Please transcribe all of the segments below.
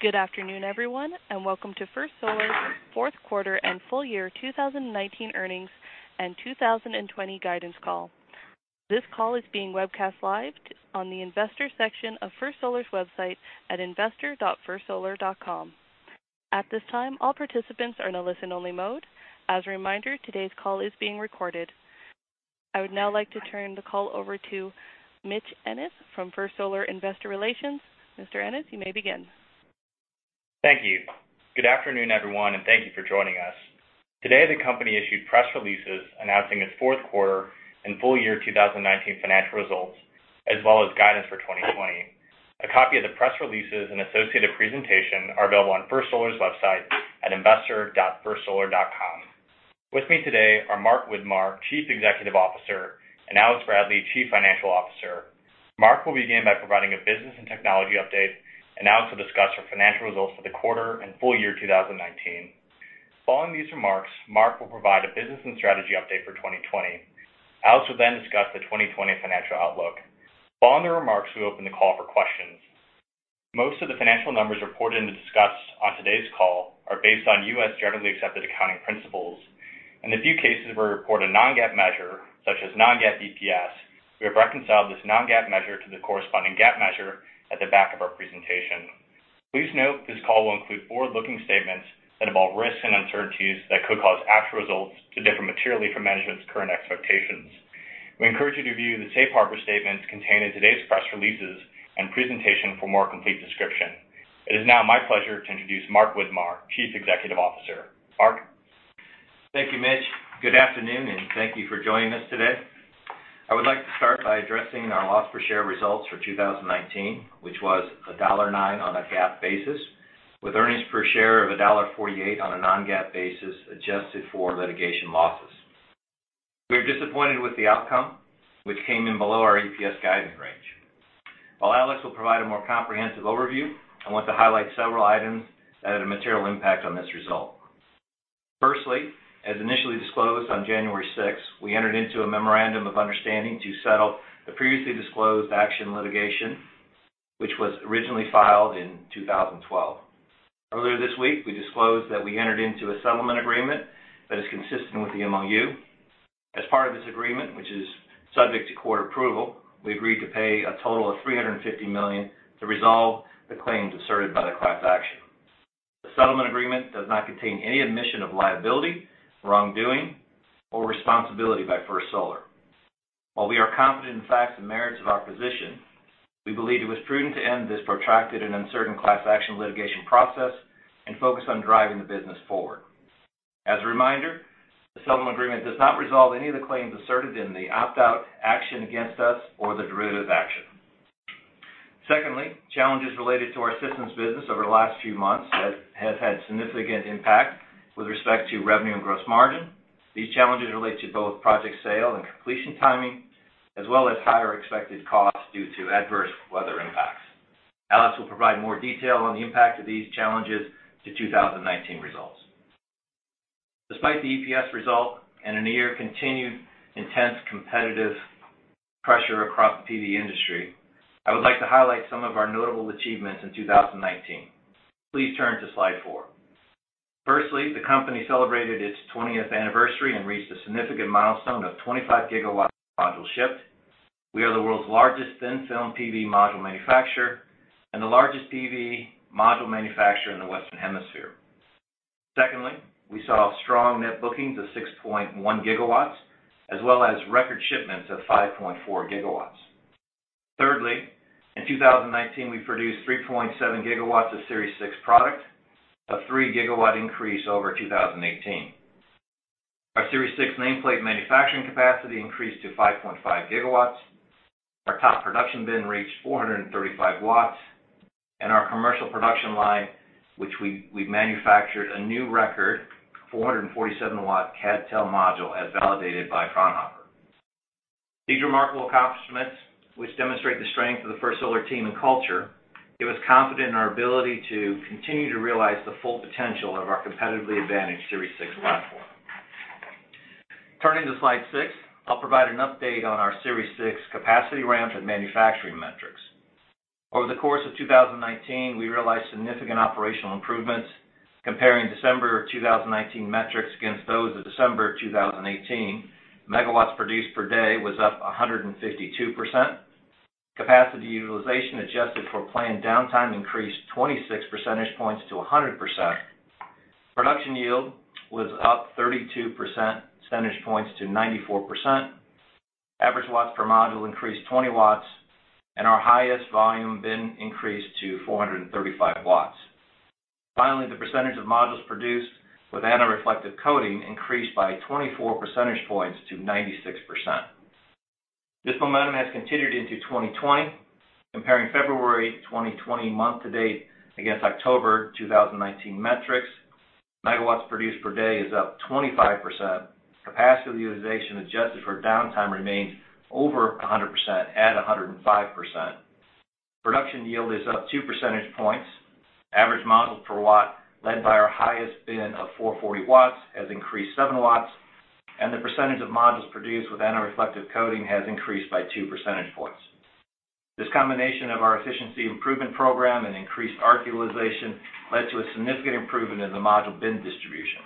Good afternoon, everyone, and welcome to First Solar's fourth quarter and full year 2019 earnings and 2020 guidance call. This call is being webcast live on the investor section of First Solar's website at investor.firstsolar.com. At this time, all participants are in a listen-only mode. As a reminder, today's call is being recorded. I would now like to turn the call over to Mitch Ennis from First Solar Investor Relations. Mr. Ennis, you may begin. Thank you. Good afternoon, everyone, and thank you for joining us. Today, the company issued press releases announcing its fourth quarter and full year 2019 financial results, as well as guidance for 2020. A copy of the press releases and associated presentation are available on First Solar's website at investor.firstsolar.com. With me today are Mark Widmar, Chief Executive Officer, and Alex Bradley, Chief Financial Officer. Mark will begin by providing a business and technology update, and Alex will discuss our financial results for the quarter and full year 2019. Following these remarks, Mark will provide a business and strategy update for 2020. Alex will discuss the 2020 financial outlook. Following the remarks, we open the call for questions. Most of the financial numbers reported and discussed on today's call are based on U.S. generally accepted accounting principles. In the few cases where we report a non-GAAP measure, such as non-GAAP EPS, we have reconciled this non-GAAP measure to the corresponding GAAP measure at the back of our presentation. Please note this call will include forward-looking statements that involve risks and uncertainties that could cause actual results to differ materially from management's current expectations. We encourage you to view the safe harbor statements contained in today's press releases and presentation for a more complete description. It is now my pleasure to introduce Mark Widmar, Chief Executive Officer. Mark? Thank you, Mitch. Good afternoon, and thank you for joining us today. I would like to start by addressing our loss per share results for 2019, which was $1.09 on a GAAP basis, with earnings per share of $1.48 on a non-GAAP basis, adjusted for litigation losses. We are disappointed with the outcome, which came in below our EPS guidance range. While Alex will provide a more comprehensive overview, I want to highlight several items that had a material impact on this result. Firstly, as initially disclosed on January 6, we entered into a memorandum of understanding to settle the previously disclosed action litigation, which was originally filed in 2012. Earlier this week, we disclosed that we entered into a settlement agreement that is consistent with the MoU. As part of this agreement, which is subject to court approval, we agreed to pay a total of $350 million to resolve the claims asserted by the class action. The settlement agreement does not contain any admission of liability, wrongdoing, or responsibility by First Solar. While we are confident in the facts and merits of our position, we believe it was prudent to end this protracted and uncertain class action litigation process and focus on driving the business forward. As a reminder, the settlement agreement does not resolve any of the claims asserted in the opt-out action against us or the derivative action. Secondly, challenges related to our systems business over the last few months has had significant impact with respect to revenue and gross margin. These challenges relate to both project sale and completion timing, as well as higher expected costs due to adverse weather impacts. Alex will provide more detail on the impact of these challenges to 2019 results. Despite the EPS result and a near continued intense competitive pressure across the PV industry, I would like to highlight some of our notable achievements in 2019. Please turn to slide four. Firstly, the company celebrated its 20th anniversary and reached a significant milestone of 25 GW of modules shipped. We are the world's largest thin-film PV module manufacturer and the largest PV module manufacturer in the western hemisphere. Secondly, we saw strong net bookings of 6.1 GW, as well as record shipments of 5.4 GW. Thirdly, in 2019, we produced 3.7 GW of Series 6 product, a 3 GW increase over 2018. Our Series 6 nameplate manufacturing capacity increased to 5.5 GW. Our top production bin reached 435 W. In our commercial production line, we manufactured a new record 447 W CdTe module, as validated by Fraunhofer. These remarkable accomplishments, which demonstrate the strength of the First Solar team and culture, give us confidence in our ability to continue to realize the full potential of our competitively advantaged Series 6 platform. Turning to slide six, I'll provide an update on our Series 6 capacity ramp and manufacturing metrics. Over the course of 2019, we realized significant operational improvements. Comparing December of 2019 metrics against those of December of 2018, megawatts produced per day was up 152%. Capacity utilization, adjusted for planned downtime, increased 26 percentage points to 100%. Production yield was up 32 percentage points to 94%. Average watts per module increased 20 W, and our highest volume bin increased to 435 W. Finally, the percentage of modules produced with anti-reflective coating increased by 24 percentage points to 96%. This momentum has continued into 2020. Comparing February 2020 month-to-date against October 2019 metrics, megawatts produced per day is up 25%. Capacity utilization, adjusted for downtime, remains over 100% at 105%. Production yield is up 2 percentage points. Average modules per watt, led by our highest bin of 440 W, has increased 7 W, and the percentage of modules produced with antireflective coating has increased by 2 percentage points. This combination of our efficiency improvement program and increased ARC utilization led to a significant improvement in the module bin distribution.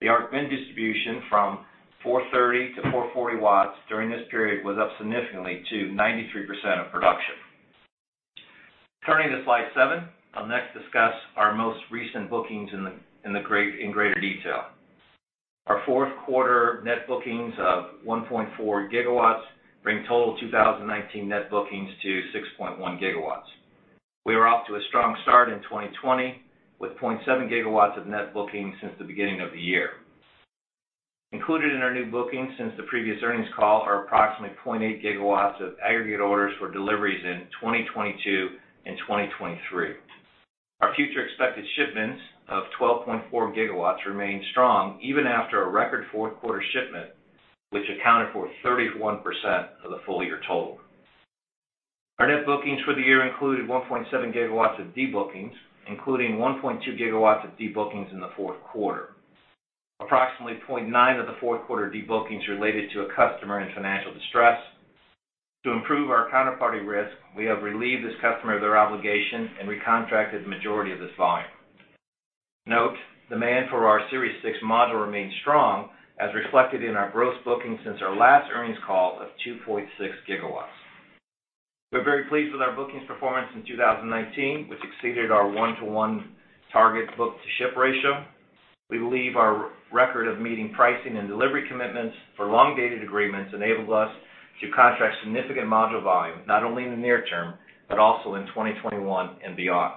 The ARC bin distribution from 430 W-440 W during this period was up significantly to 93% of production. Turning to slide seven, I'll next discuss our most recent bookings in greater detail. Our fourth quarter net bookings of 1.4 GW bring total 2019 net bookings to 6.1 GW. We are off to a strong start in 2020, with 0.7 GW of net bookings since the beginning of the year. Included in our new bookings since the previous earnings call are approximately 0.8 GW of aggregate orders for deliveries in 2022 and 2023. Our future expected shipments of 12.4 GW remain strong even after a record fourth quarter shipment, which accounted for 31% of the full-year total. Our net bookings for the year included 1.7 GW of debookings, including 1.2 GW of debookings in the fourth quarter. Approximately 0.9 of the fourth-quarter debookings related to a customer in financial distress. To improve our counterparty risk, we have relieved this customer of their obligation and recontracted the majority of this volume. Note, demand for our Series 6 module remains strong, as reflected in our gross bookings since our last earnings call of 2.6 GW. We're very pleased with our bookings performance in 2019, which exceeded our 1:1 target book-to-ship ratio. We believe our record of meeting pricing and delivery commitments for long-dated agreements enables us to contract significant module volume, not only in the near term, but also in 2021 and beyond.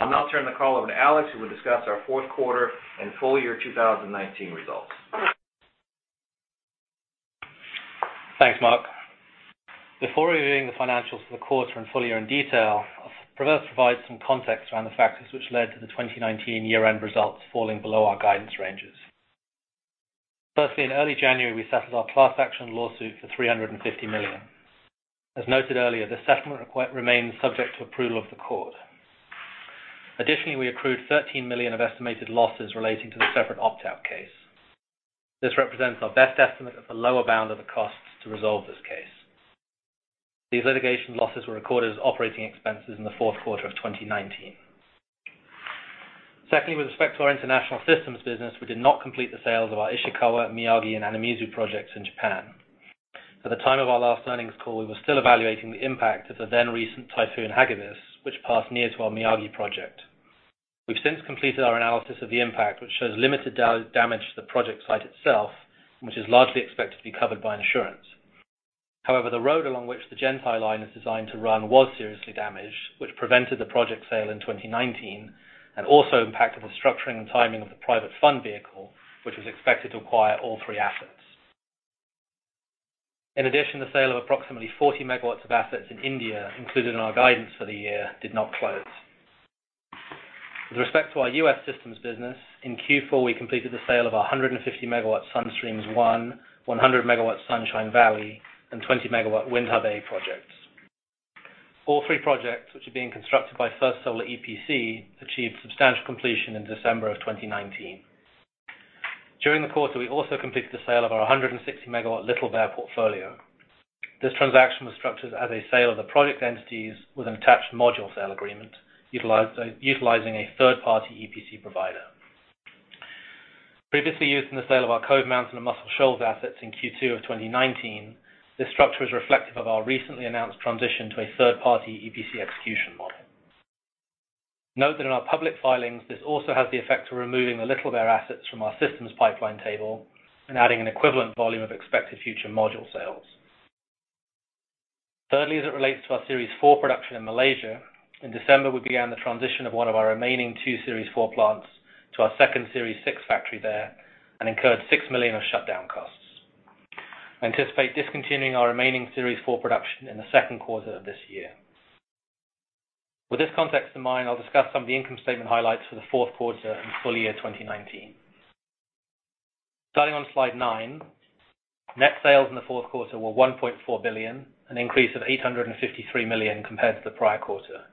I'll now turn the call over to Alex, who will discuss our fourth quarter and full year 2019 results. Thanks, Mark. Before reviewing the financials for the quarter and full year in detail, I'll first provide some context around the factors which led to the 2019 year-end results falling below our guidance ranges. Firstly, in early January, we settled our class action lawsuit for $350 million. As noted earlier, the settlement remains subject to approval of the court. Additionally, we accrued $13 million of estimated losses relating to the separate opt-out case. This represents our best estimate of the lower bound of the costs to resolve this case. These litigation losses were recorded as operating expenses in the fourth quarter of 2019. Secondly, with respect to our international systems business, we did not complete the sales of our Ishikawa, Miyagi, and Anamizu projects in Japan. At the time of our last earnings call, we were still evaluating the impact of the then-recent Typhoon Hagibis, which passed near to our Miyagi project. We've since completed our analysis of the impact, which shows limited damage to the project site itself, which is largely expected to be covered by insurance. However, the road along which the gen-tie line is designed to run was seriously damaged, which prevented the project sale in 2019 and also impacted the structuring and timing of the private fund vehicle, which was expected to acquire all three assets. In addition, the sale of approximately 40 MW of assets in India, included in our guidance for the year, did not close. With respect to our U.S. systems business, in Q4, we completed the sale of 150 MW Sun Streams 1, 100 MW Sunshine Valley, and 20 MW Windhub A projects. All three projects, which are being constructed by First Solar EPC, achieved substantial completion in December of 2019. During the quarter, we also completed the sale of our 160 MW Little Bear portfolio. This transaction was structured as a sale of the project entities with an attached module sale agreement, utilizing a third-party EPC provider. Previously used in the sale of our Cove Mountain and Muscle Shoals assets in Q2 of 2019, this structure is reflective of our recently announced transition to a third-party EPC execution model. Note that in our public filings, this also has the effect of removing the Little Bear assets from our systems pipeline table and adding an equivalent volume of expected future module sales. Thirdly, as it relates to our Series 4 production in Malaysia, in December, we began the transition of one of our remaining two Series 4 plants to our second Series 6 factory there and incurred $6 million of shutdown costs. We anticipate discontinuing our remaining Series 4 production in the second quarter of this year. With this context in mind, I'll discuss some of the income statement highlights for the fourth quarter and full year 2019. Starting on slide nine, net sales in the fourth quarter were $1.4 billion, an increase of $853 million compared to the prior quarter.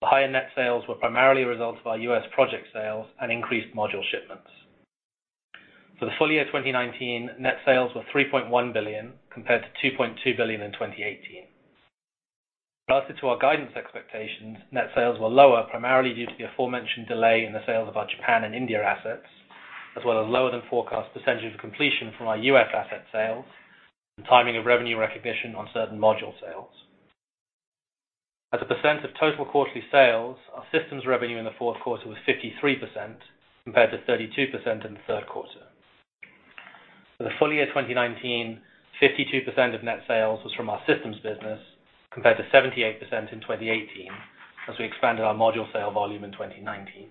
The higher net sales were primarily a result of our U.S. project sales and increased module shipments. For the full year 2019, net sales were $3.1 billion compared to $2.2 billion in 2018. Relative to our guidance expectations, net sales were lower, primarily due to the aforementioned delay in the sales of our Japan and India assets, as well as lower-than-forecast percentage of completion from our U.S. asset sales and timing of revenue recognition on certain module sales. As a percent of total quarterly sales, our systems revenue in the fourth quarter was 53% compared to 32% in the third quarter. For the full year 2019, 52% of net sales was from our systems business compared to 78% in 2018, as we expanded our module sale volume in 2019.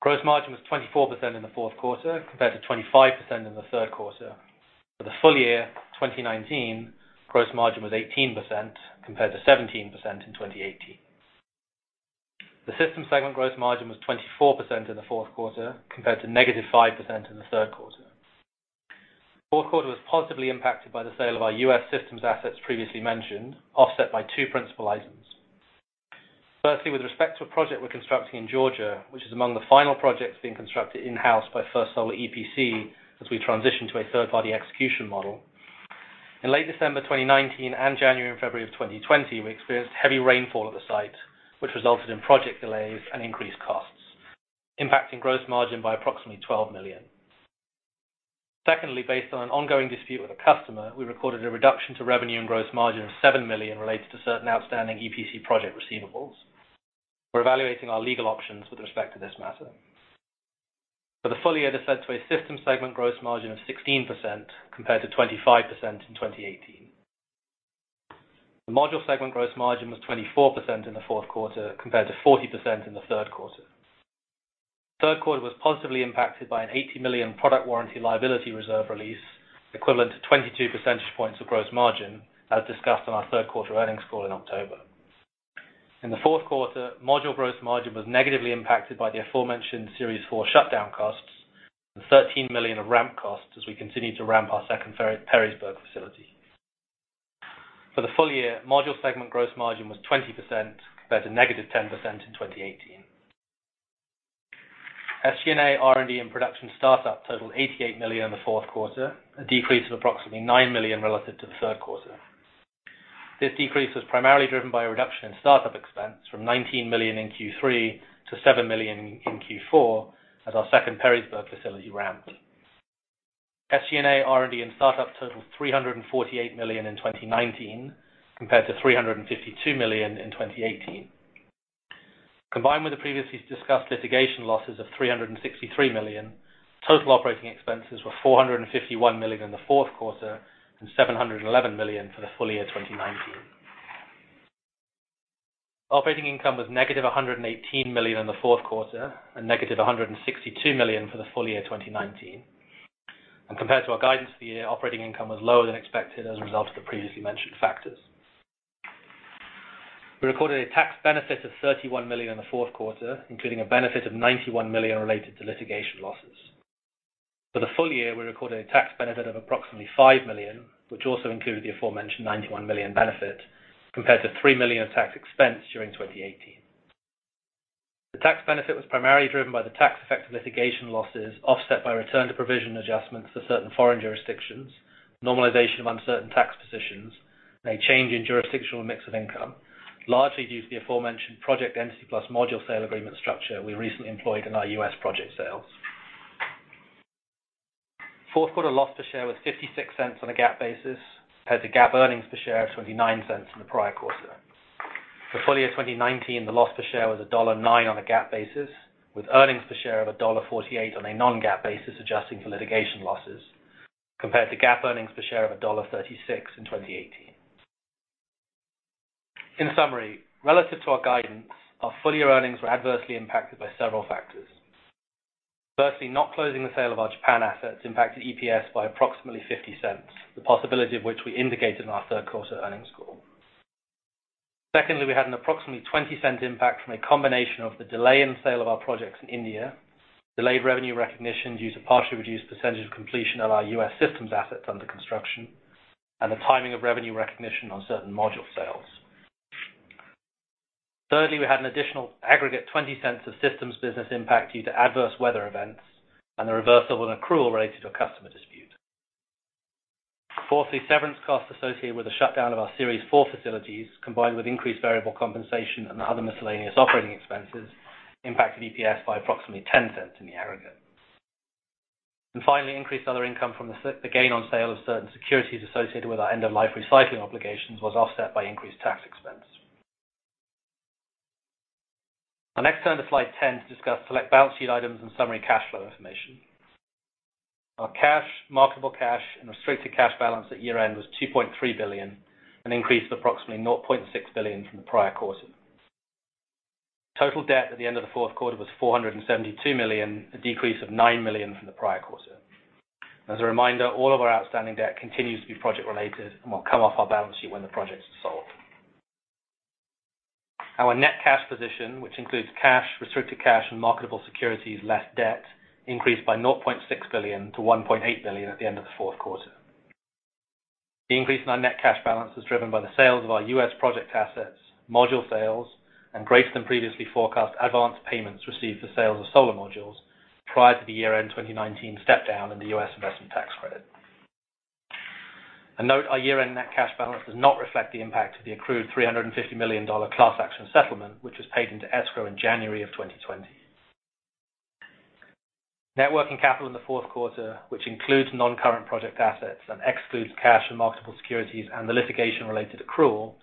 Gross margin was 24% in the fourth quarter compared to 25% in the third quarter. For the full year 2019, gross margin was 18% compared to 17% in 2018. The Systems segment gross margin was 24% in the fourth quarter compared to -5% in the third quarter. Fourth quarter was positively impacted by the sale of our U.S. systems assets previously mentioned, offset by two principal items. Firstly, with respect to a project we're constructing in Georgia, which is among the final projects being constructed in-house by First Solar EPC, as we transition to a third-party execution model. In late December 2019 and January and February of 2020, we experienced heavy rainfall at the site, which resulted in project delays and increased costs, impacting gross margin by approximately $12 million. Secondly, based on an ongoing dispute with a customer, we recorded a reduction to revenue and gross margin of $7 million related to certain outstanding EPC project receivables. We're evaluating our legal options with respect to this matter. For the full year, this led to a Systems segment gross margin of 16% compared to 25% in 2018. The Module segment gross margin was 24% in the fourth quarter compared to 40% in the third quarter. Third quarter was positively impacted by an $80 million product warranty liability reserve release, equivalent to 22 percentage points of gross margin, as discussed on our third quarter earnings call in October. In the fourth quarter, module gross margin was negatively impacted by the aforementioned Series 4 shutdown costs, and $13 million of ramp costs as we continue to ramp our second Perrysburg facility. For the full year, Module segment gross margin was 20% compared to -10% in 2018. SG&A, R&D, and production startup totaled $88 million in the fourth quarter, a decrease of approximately $9 million relative to the third quarter. This decrease was primarily driven by a reduction in start-up expense from $19 million in Q3 to $7 million in Q4 as our second Perrysburg facility ramped. SG&A, R&D, and start-up totaled $348 million in 2019 compared to $352 million in 2018. Combined with the previously discussed litigation losses of $363 million, total operating expenses were $451 million in the fourth quarter and $711 million for the full year 2019. Operating income was -$118 million in the fourth quarter and -$162 million for the full year 2019. Compared to our guidance for the year, operating income was lower than expected as a result of the previously mentioned factors. We recorded a tax benefit of $31 million in the fourth quarter, including a benefit of $91 million related to litigation losses. For the full year, we recorded a tax benefit of approximately $5 million, which also includes the aforementioned $91 million benefit, compared to $3 million of tax expense during 2018. The tax benefit was primarily driven by the tax effect of litigation losses, offset by return to provision adjustments for certain foreign jurisdictions, normalization of uncertain tax positions, and a change in jurisdictional mix of income, largely due to the aforementioned project entity plus module sale agreement structure we recently employed in our U.S. project sales. Fourth quarter loss per share was $0.56 on a GAAP basis, compared to GAAP earnings per share of $0.29 in the prior quarter. For full year 2019, the loss per share was $1.09 on a GAAP basis, with earnings per share of $1.48 on a non-GAAP basis, adjusting for litigation losses, compared to GAAP earnings per share of $1.36 in 2018. In summary, relative to our guidance, our full-year earnings were adversely impacted by several factors. Firstly, not closing the sale of our Japan assets impacted EPS by approximately $0.50, the possibility of which we indicated in our third quarter earnings call. Secondly, we had an approximately $0.20 impact from a combination of the delay in the sale of our projects in India, delayed revenue recognition due to partially reduced percentage of completion of our U.S. systems assets under construction, and the timing of revenue recognition on certain module sales. Thirdly, we had an additional aggregate $0.20 of systems business impact due to adverse weather events and the reversal of an accrual related to a customer dispute. Fourthly, severance costs associated with the shutdown of our Series 4 facilities, combined with increased variable compensation and other miscellaneous operating expenses impacted EPS by approximately $0.10 in the aggregate. Finally, increased other income from the gain on sale of certain securities associated with our end-of-life recycling obligations was offset by increased tax expense. I'll next turn to slide 10 to discuss select balance sheet items and summary cash flow information. Our cash, marketable cash, and restricted cash balance at year-end was $2.3 billion, an increase of approximately $0.6 billion from the prior quarter. Total debt at the end of the fourth quarter was $472 million, a decrease of $9 million from the prior quarter. As a reminder, all of our outstanding debt continues to be project-related and will come off our balance sheet when the projects are sold. Our net cash position, which includes cash, restricted cash, and marketable securities, less debt, increased by $0.6 billion to $1.8 billion at the end of the fourth quarter. The increase in our net cash balance was driven by the sales of our U.S. project assets, module sales, and greater than previously forecast advanced payments received for sales of solar modules prior to the year-end 2019 step-down in the U.S. investment tax credit. Note, our year-end net cash balance does not reflect the impact of the accrued $350 million class action settlement, which was paid into escrow in January of 2020. Net working capital in the fourth quarter, which includes non-current project assets and excludes cash and marketable securities and the litigation related accrual,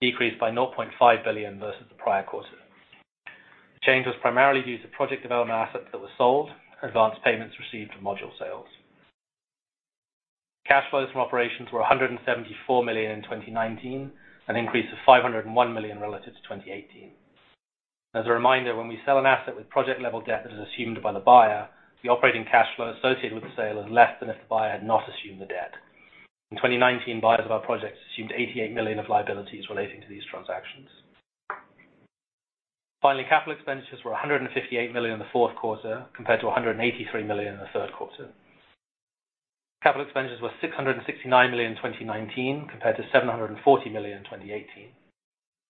decreased by $0.5 billion versus the prior quarter. The change was primarily due to project development assets that were sold, advanced payments received from module sales. Cash flows from operations were $174 million in 2019, an increase of $501 million relative to 2018. As a reminder, when we sell an asset with project-level debt that is assumed by the buyer, the operating cash flow associated with the sale is less than if the buyer had not assumed the debt. In 2019, buyers of our projects assumed $88 million of liabilities relating to these transactions. Finally, capital expenditures were $158 million in the fourth quarter compared to $183 million in the third quarter. Capital expenditures were $669 million in 2019 compared to $740 million in 2018.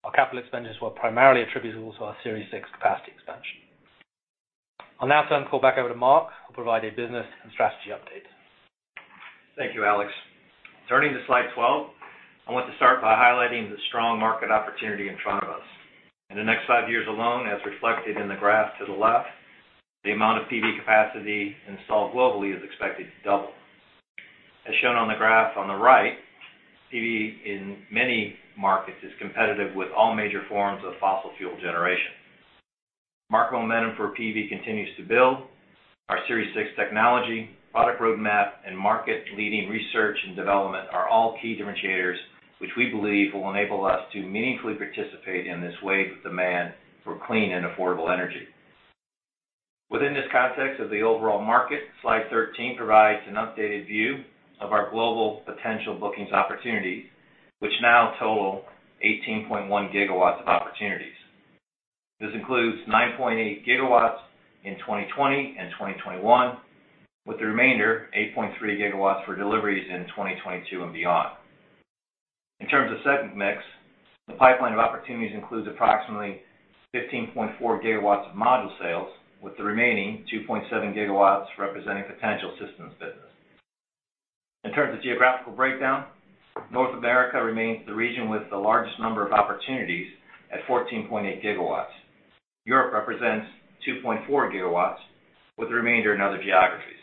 Our capital expenditures were primarily attributable to our Series 6 capacity expansion. I'll now turn the call back over to Mark, who will provide a business and strategy update. Thank you, Alex. Turning to slide 12, I want to start by highlighting the strong market opportunity in front of us. In the next five years alone, as reflected in the graph to the left, the amount of PV capacity installed globally is expected to double. As shown on the graph on the right, PV in many markets is competitive with all major forms of fossil fuel generation. Market momentum for PV continues to build. Our Series 6 technology, product roadmap, and market-leading research and development are all key differentiators which we believe will enable us to meaningfully participate in this wave of demand for clean and affordable energy. Within this context of the overall market, slide 13 provides an updated view of our global potential bookings opportunities, which now total 18.1 GW of opportunities. This includes 9.8 GW in 2020 and 2021, with the remainder, 8.3 GW, for deliveries in 2022 and beyond. In terms of segment mix, the pipeline of opportunities includes approximately 15.4 GW of module sales, with the remaining 2.7 GW representing potential systems business. In terms of geographical breakdown, North America remains the region with the largest number of opportunities at 14.8 GW. Europe represents 2.4 GW, with the remainder in other geographies.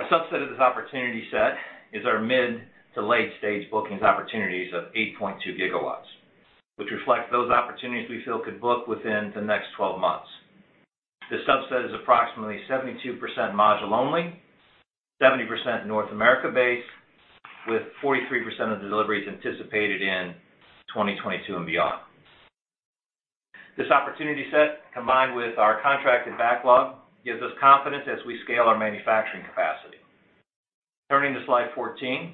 A subset of this opportunity set is our mid- to late-stage bookings opportunities of 8.2 GW, which reflect those opportunities we feel could book within the next 12 months. This subset is approximately 72% module-only, 70% North America-based, with 43% of the deliveries anticipated in 2022 and beyond. This opportunity set, combined with our contracted backlog, gives us confidence as we scale our manufacturing capacity. Turning to slide 14,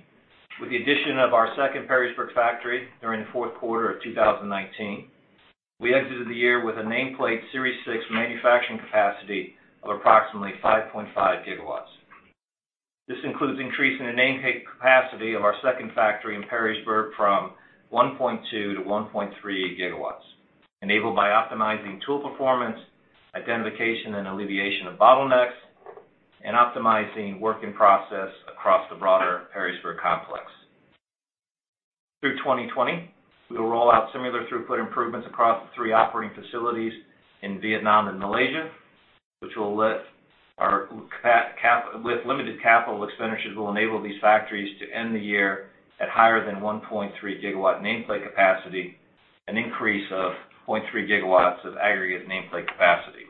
with the addition of our second Perrysburg factory during the fourth quarter of 2019, we exited the year with a nameplate Series 6 manufacturing capacity of approximately 5.5 GW. This includes increasing the nameplate capacity of our second factory in Perrysburg from 1.2 GW to 1.38 GW, enabled by optimizing tool performance, identification, and alleviation of bottlenecks, and optimizing work in process across the broader Perrysburg complex. Through 2020, we will roll out similar throughput improvements across the three operating facilities in Vietnam and Malaysia, with limited capital expenditures will enable these factories to end the year at higher than 1.3 GW nameplate capacity, an increase of 0.3 GW of aggregate nameplate capacity.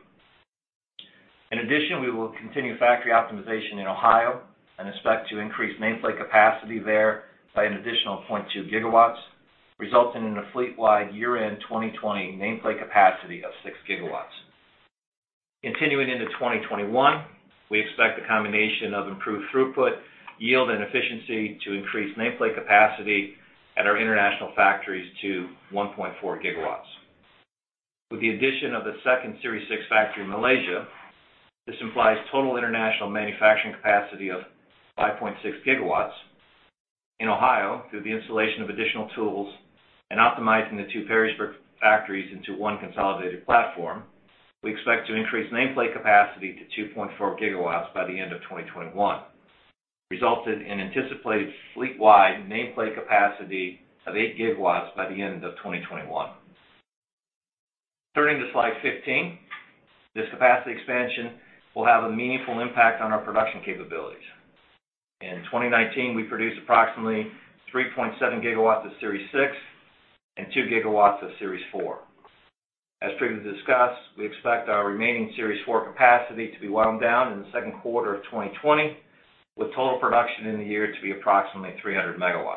In addition, we will continue factory optimization in Ohio and expect to increase nameplate capacity there by an additional 0.2 GW, resulting in a fleet-wide year-end 2020 nameplate capacity of 6 GW. Continuing into 2021, we expect the combination of improved throughput, yield, and efficiency to increase nameplate capacity at our international factories to 1.4 GW. With the addition of the second Series 6 factory in Malaysia, this implies total international manufacturing capacity of 5.6 GW. In Ohio, through the installation of additional tools and optimizing the two Perrysburg factories into one consolidated platform, we expect to increase nameplate capacity to 2.4 GW by the end of 2021, resulting in anticipated fleet-wide nameplate capacity of 8 GW by the end of 2021. Turning to slide 15, this capacity expansion will have a meaningful impact on our production capabilities. In 2019, we produced approximately 3.7 GW of Series 6 and 2 GW of Series 4. As previously discussed, we expect our remaining Series 4 capacity to be wound down in the second quarter of 2020, with total production in the year to be approximately 300 MW.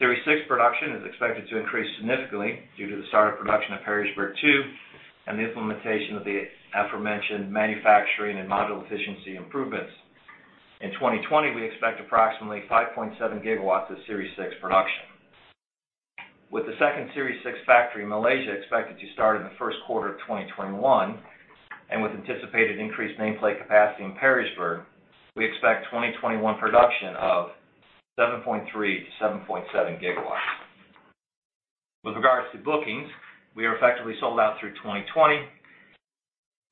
Series 6 production is expected to increase significantly due to the start of production of Perrysburg 2 and the implementation of the aforementioned manufacturing and module efficiency improvements. In 2020, we expect approximately 5.7 GW of Series 6 production. With the second Series 6 factory in Malaysia expected to start in the first quarter of 2021, and with anticipated increased nameplate capacity in Perrysburg, we expect 2021 production of 7.3 GW-7.7 GW. With regards to bookings, we are effectively sold out through 2020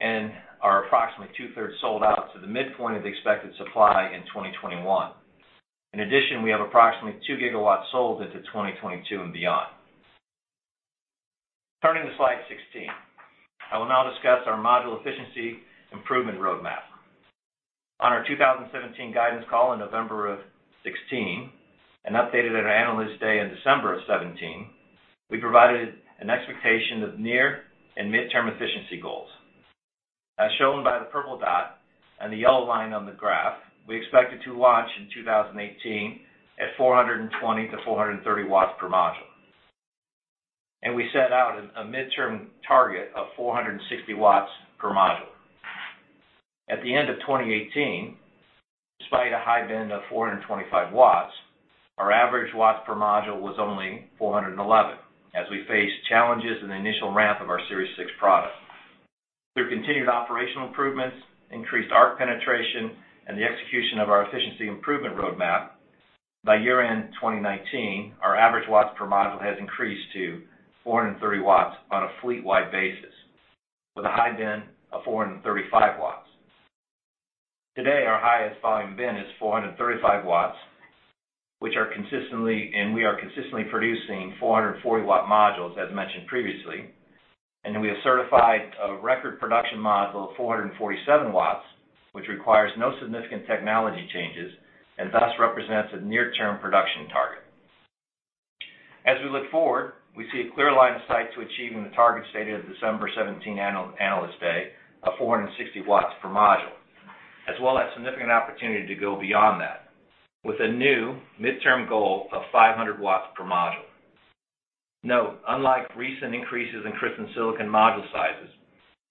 and are approximately 2/3 sold out to the midpoint of the expected supply in 2021. In addition, we have approximately 2 GW sold into 2022 and beyond. Turning to slide 16, I will now discuss our module efficiency improvement roadmap. On our 2017 guidance call in November of 2016, and updated at our Analyst Day in December of 2017, we provided an expectation of near and midterm efficiency goals. As shown by the purple dot and the yellow line on the graph, we expected to launch in 2018 at 420 W-430 W per module. We set out a midterm target of 460 W per module. At the end of 2018, despite a high bin of 425 W, our average watts per module was only 411 W as we faced challenges in the initial ramp of our Series 6 product. Through continued operational improvements, increased ARC penetration, and the execution of our efficiency improvement roadmap, by year-end 2019, our average watts per module has increased to 430 W on a fleet-wide basis, with a high bin of 435 W. Today, our highest volume bin is 435 W, and we are consistently producing 440 W modules, as mentioned previously. We have certified a record production module of 447 W, which requires no significant technology changes and thus represents a near-term production target. As we look forward, we see a clear line of sight to achieving the target stated at the December 2017 Analyst Day of 460 W per module, as well as significant opportunity to go beyond that with a new midterm goal of 500 W per module. Note, unlike recent increases in crystalline silicon module sizes,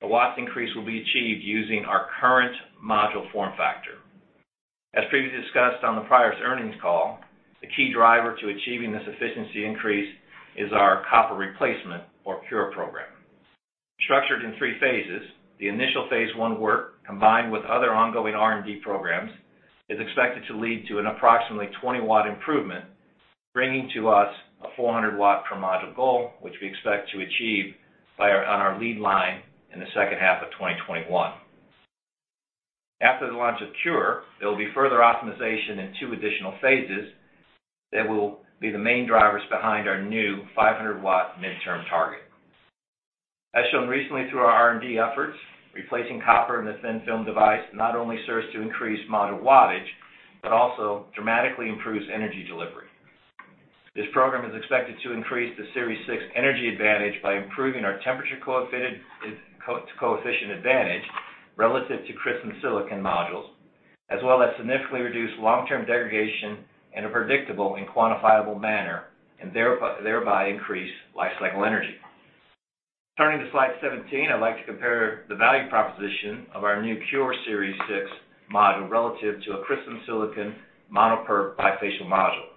the watts increase will be achieved using our current module form factor. As previously discussed on the prior's earnings call, the key driver to achieving this efficiency increase is our Copper Replacement or CuRe program. Structured in three phases, the initial phase I work, combined with other ongoing R&D programs, is expected to lead to an approximately 20 W improvement, bringing to us a 400 W per module goal, which we expect to achieve on our lead line in the second half of 2021. After the launch of CuRe, there will be further optimization in two additional phases that will be the main drivers behind our new 500 W midterm target. As shown recently through our R&D efforts, replacing copper in the thin-film device not only serves to increase module wattage but also dramatically improves energy delivery. This program is expected to increase the Series 6 energy advantage by improving our temperature coefficient advantage relative to crystalline silicon modules, as well as significantly reduce long-term degradation in a predictable and quantifiable manner, and thereby increase life cycle energy. Turning to slide 17, I'd like to compare the value proposition of our new CuRe Series 6 module relative to a crystalline silicon mono PERC bifacial module.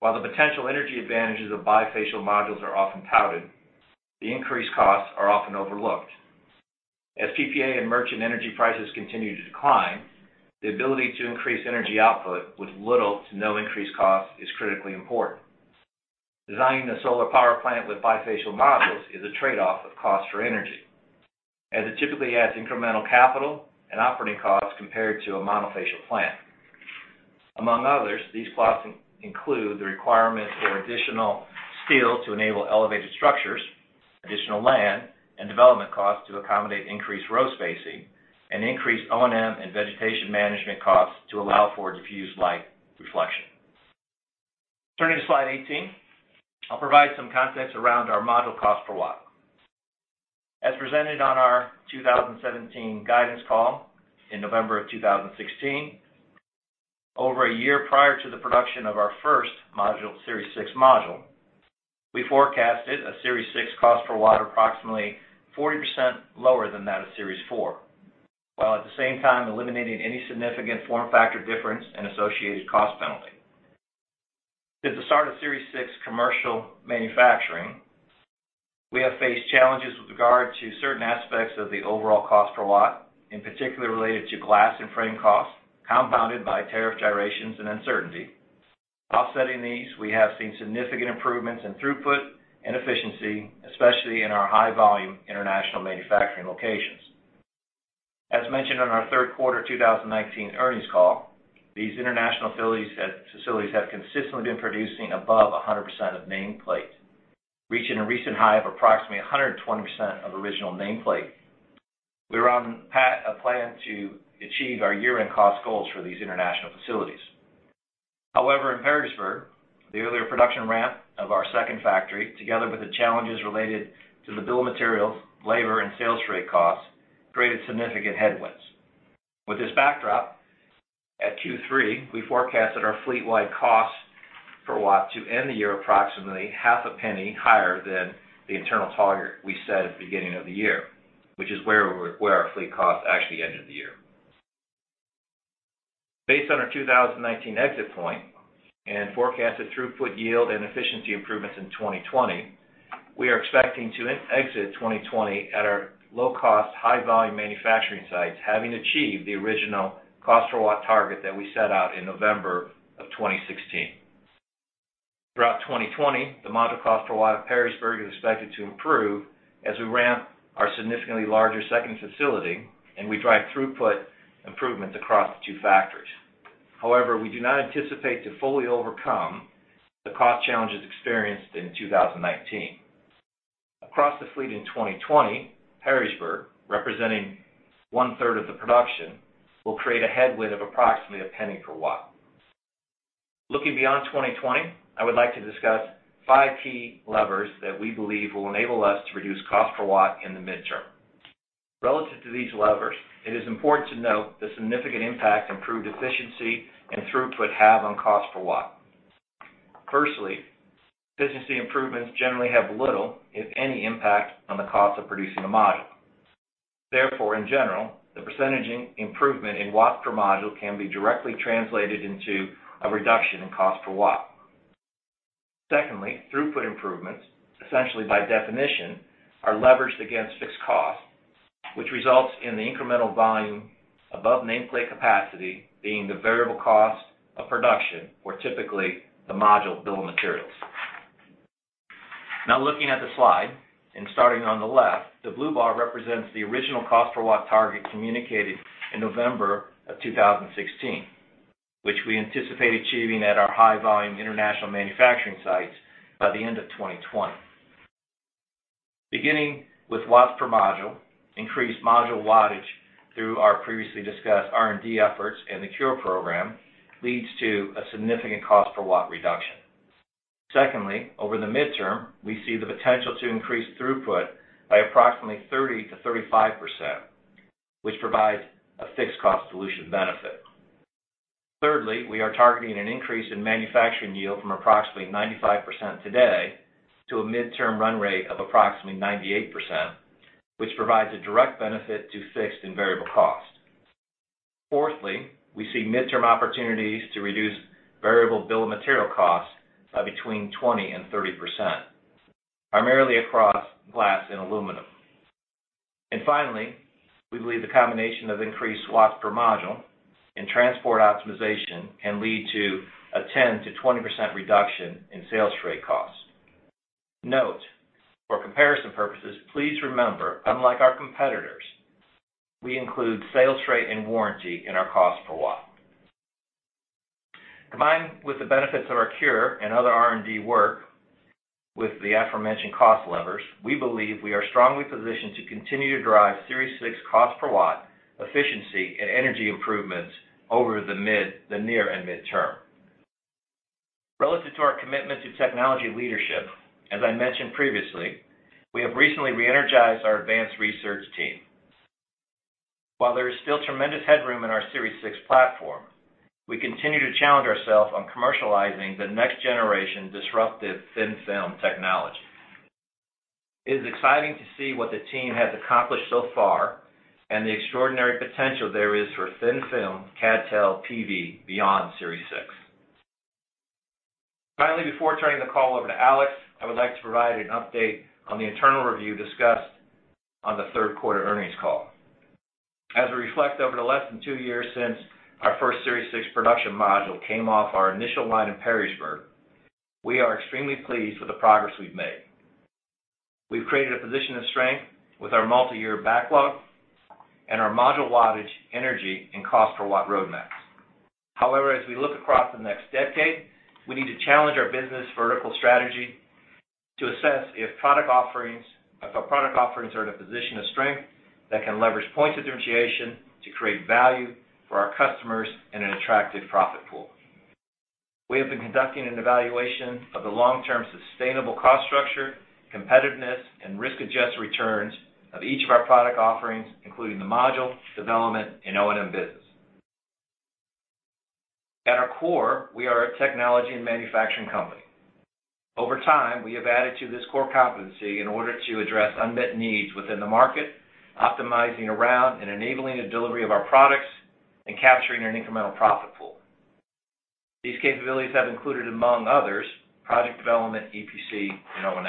While the potential energy advantages of bifacial modules are often touted, the increased costs are often overlooked. As PPA and merchant energy prices continue to decline, the ability to increase energy output with little to no increased cost is critically important. Designing a solar power plant with bifacial modules is a trade-off of cost for energy, as it typically adds incremental capital and operating costs compared to a monofacial plant. Among others, these costs include the requirement for additional steel to enable elevated structures, additional land and development costs to accommodate increased row spacing, and increased O&M and vegetation management costs to allow for diffuse light reflection. Turning to slide 18, I'll provide some context around our module cost per watt. As presented on our 2017 guidance call in November of 2016, over a year prior to the production of our first Series 6 module, we forecasted a Series 6 cost per watt approximately 40% lower than that of Series 4, while at the same time eliminating any significant form factor difference and associated cost penalty. At the start of Series 6 commercial manufacturing, we have faced challenges with regard to certain aspects of the overall cost per watt, in particular related to glass and frame costs, compounded by tariff gyrations and uncertainty. Offsetting these, we have seen significant improvements in throughput and efficiency, especially in our high-volume international manufacturing locations. As mentioned on our third quarter 2019 earnings call, these international facilities have consistently been producing above 100% of nameplate, reaching a recent high of approximately 120% of original nameplate. We're on a plan to achieve our year-end cost goals for these international facilities. However, in Perrysburg, the earlier production ramp of our second factory, together with the challenges related to the bill of materials, labor, and sales rate costs, created significant headwinds. With this backdrop, at Q3, we forecasted our fleet-wide cost per watt to end the year approximately half a penny higher than the internal target we set at the beginning of the year, which is where our fleet cost actually ended the year. Based on our 2019 exit point and forecasted throughput yield and efficiency improvements in 2020, we are expecting to exit 2020 at our low-cost, high-volume manufacturing sites, having achieved the original cost per watt target that we set out in November of 2016. Throughout 2020, the module cost per watt of Perrysburg is expected to improve as we ramp our significantly larger second facility and we drive throughput improvements across the two factories. We do not anticipate to fully overcome the cost challenges experienced in 2019. Across the fleet in 2020, Perrysburg, representing 1/3 of the production, will create a headwind of approximately $0.01 per watt. Looking beyond 2020, I would like to discuss five key levers that we believe will enable us to reduce cost per watt in the midterm. Relative to these levers, it is important to note the significant impact improved efficiency and throughput have on cost per watt. Firstly, efficiency improvements generally have little, if any, impact on the cost of producing a module. Therefore, in general, the percentage improvement in watt per module can be directly translated into a reduction in cost per watt. Secondly, throughput improvements, essentially by definition, are leveraged against fixed costs, which results in the incremental volume above nameplate capacity being the variable cost of production, or typically, the module bill of materials. Now, looking at the slide and starting on the left, the blue bar represents the original cost per watt target communicated in November of 2016, which we anticipate achieving at our high-volume international manufacturing sites by the end of 2020. Beginning with watts per module, increased module wattage through our previously discussed R&D efforts in the CuRe program leads to a significant cost per watt reduction. Secondly, over the midterm, we see the potential to increase throughput by approximately 30%-35%, which provides a fixed cost dilution benefit. Thirdly, we are targeting an increase in manufacturing yield from approximately 95% today to a midterm run rate of approximately 98%, which provides a direct benefit to fixed and variable costs. Fourthly, we see midterm opportunities to reduce variable bill of material costs by between 20% and 30%, primarily across glass and aluminum. Finally, we believe the combination of increased watts per module and transport optimization can lead to a 10%-20% reduction in sales freight costs. Note, for comparison purposes, please remember, unlike our competitors, we include sales freight and warranty in our cost per watt. Combined with the benefits of our CuRe and other R&D work with the aforementioned cost levers, we believe we are strongly positioned to continue to drive Series 6 cost per watt efficiency and energy improvements over the near and midterm. Relative to our commitment to technology leadership, as I mentioned previously, we have recently re-energized our advanced research team. While there is still tremendous headroom in our Series 6 platform, we continue to challenge ourselves on commercializing the next generation disruptive thin-film technology. It is exciting to see what the team has accomplished so far and the extraordinary potential there is for thin-film CdTe PV beyond Series 6. Finally, before turning the call over to Alex, I would like to provide an update on the internal review discussed on the third quarter earnings call. As we reflect over the less than two years since our first Series 6 production module came off our initial line in Perrysburg, we are extremely pleased with the progress we've made. We've created a position of strength with our multi-year backlog and our module wattage, energy, and cost per watt roadmaps. However, as we look across the next decade, we need to challenge our business vertical strategy to assess if our product offerings are at a position of strength that can leverage point differentiation to create value for our customers in an attractive profit pool. We have been conducting an evaluation of the long-term sustainable cost structure, competitiveness, and risk-adjusted returns of each of our product offerings, including the module, development, and O&M business. At our core, we are a technology and manufacturing company. Over time, we have added to this core competency in order to address unmet needs within the market, optimizing around and enabling the delivery of our products, and capturing an incremental profit pool. These capabilities have included, among others, project development, EPC, and O&M.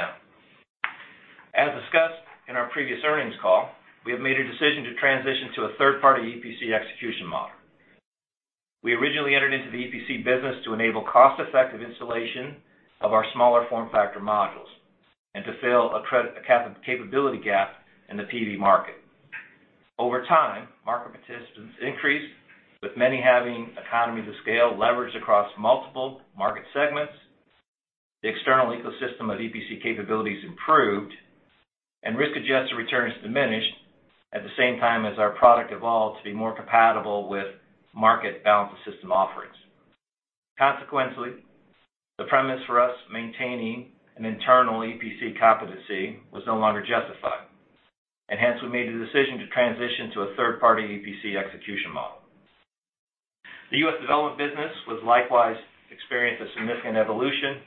As discussed in our previous earnings call, we have made a decision to transition to a third-party EPC execution model. We originally entered into the EPC business to enable cost-effective installation of our smaller form factor modules and to fill a capability gap in the PV market. Over time, market participants increased, with many having economies of scale leveraged across multiple market segments. The external ecosystem of EPC capabilities improved and risk-adjusted returns diminished at the same time as our product evolved to be more compatible with market balance of system offerings. Consequently, the premise for us maintaining an internal EPC competency was no longer justified, and hence, we made the decision to transition to a third-party EPC execution model. The U.S. development business has likewise experienced a significant evolution,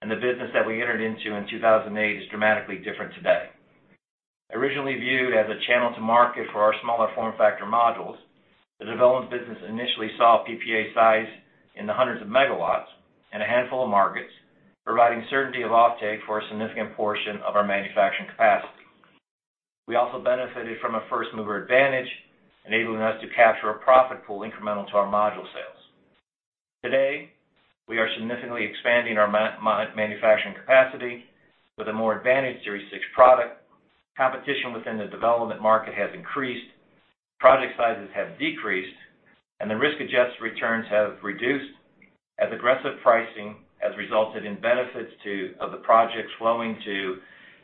and the business that we entered into in 2008 is dramatically different today. Originally viewed as a channel to market for our smaller form factor modules, the development business initially saw PPA size in the hundreds of megawatts in a handful of markets, providing certainty of offtake for a significant portion of our manufacturing capacity. We also benefited from a first-mover advantage, enabling us to capture a profit pool incremental to our module sales. Today, we are significantly expanding our manufacturing capacity with a more advantaged Series 6 product. Competition within the development market has increased, project sizes have decreased, and the risk-adjusted returns have reduced as aggressive pricing has resulted in benefits of the projects flowing to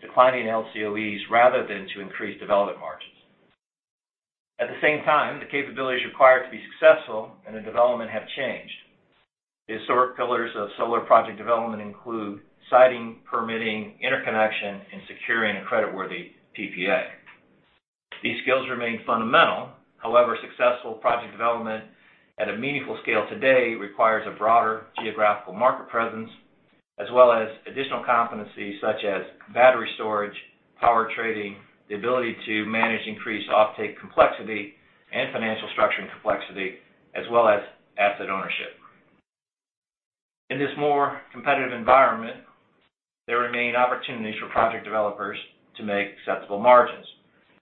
declining LCOEs rather than to increased development margins. At the same time, the capabilities required to be successful in the development have changed. The historic pillars of solar project development include siting, permitting, interconnection, and securing a creditworthy PPA. These skills remain fundamental. However, successful project development at a meaningful scale today requires a broader geographical market presence as well as additional competencies such as battery storage, power trading, the ability to manage increased offtake complexity, and financial structuring complexity, as well as asset ownership. In this more competitive environment, there remain opportunities for project developers to make acceptable margins.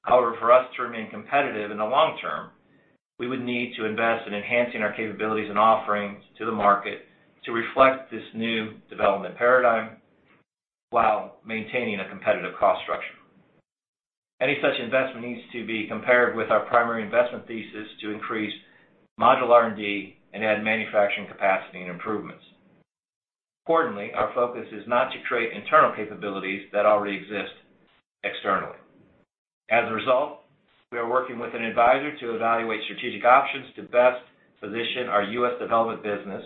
However, for us to remain competitive in the long term, we would need to invest in enhancing our capabilities and offerings to the market to reflect this new development paradigm while maintaining a competitive cost structure. Any such investment needs to be compared with our primary investment thesis to increase modular R&D and add manufacturing capacity and improvements. Importantly, our focus is not to create internal capabilities that already exist externally. As a result, we are working with an advisor to evaluate strategic options to best position our U.S. development business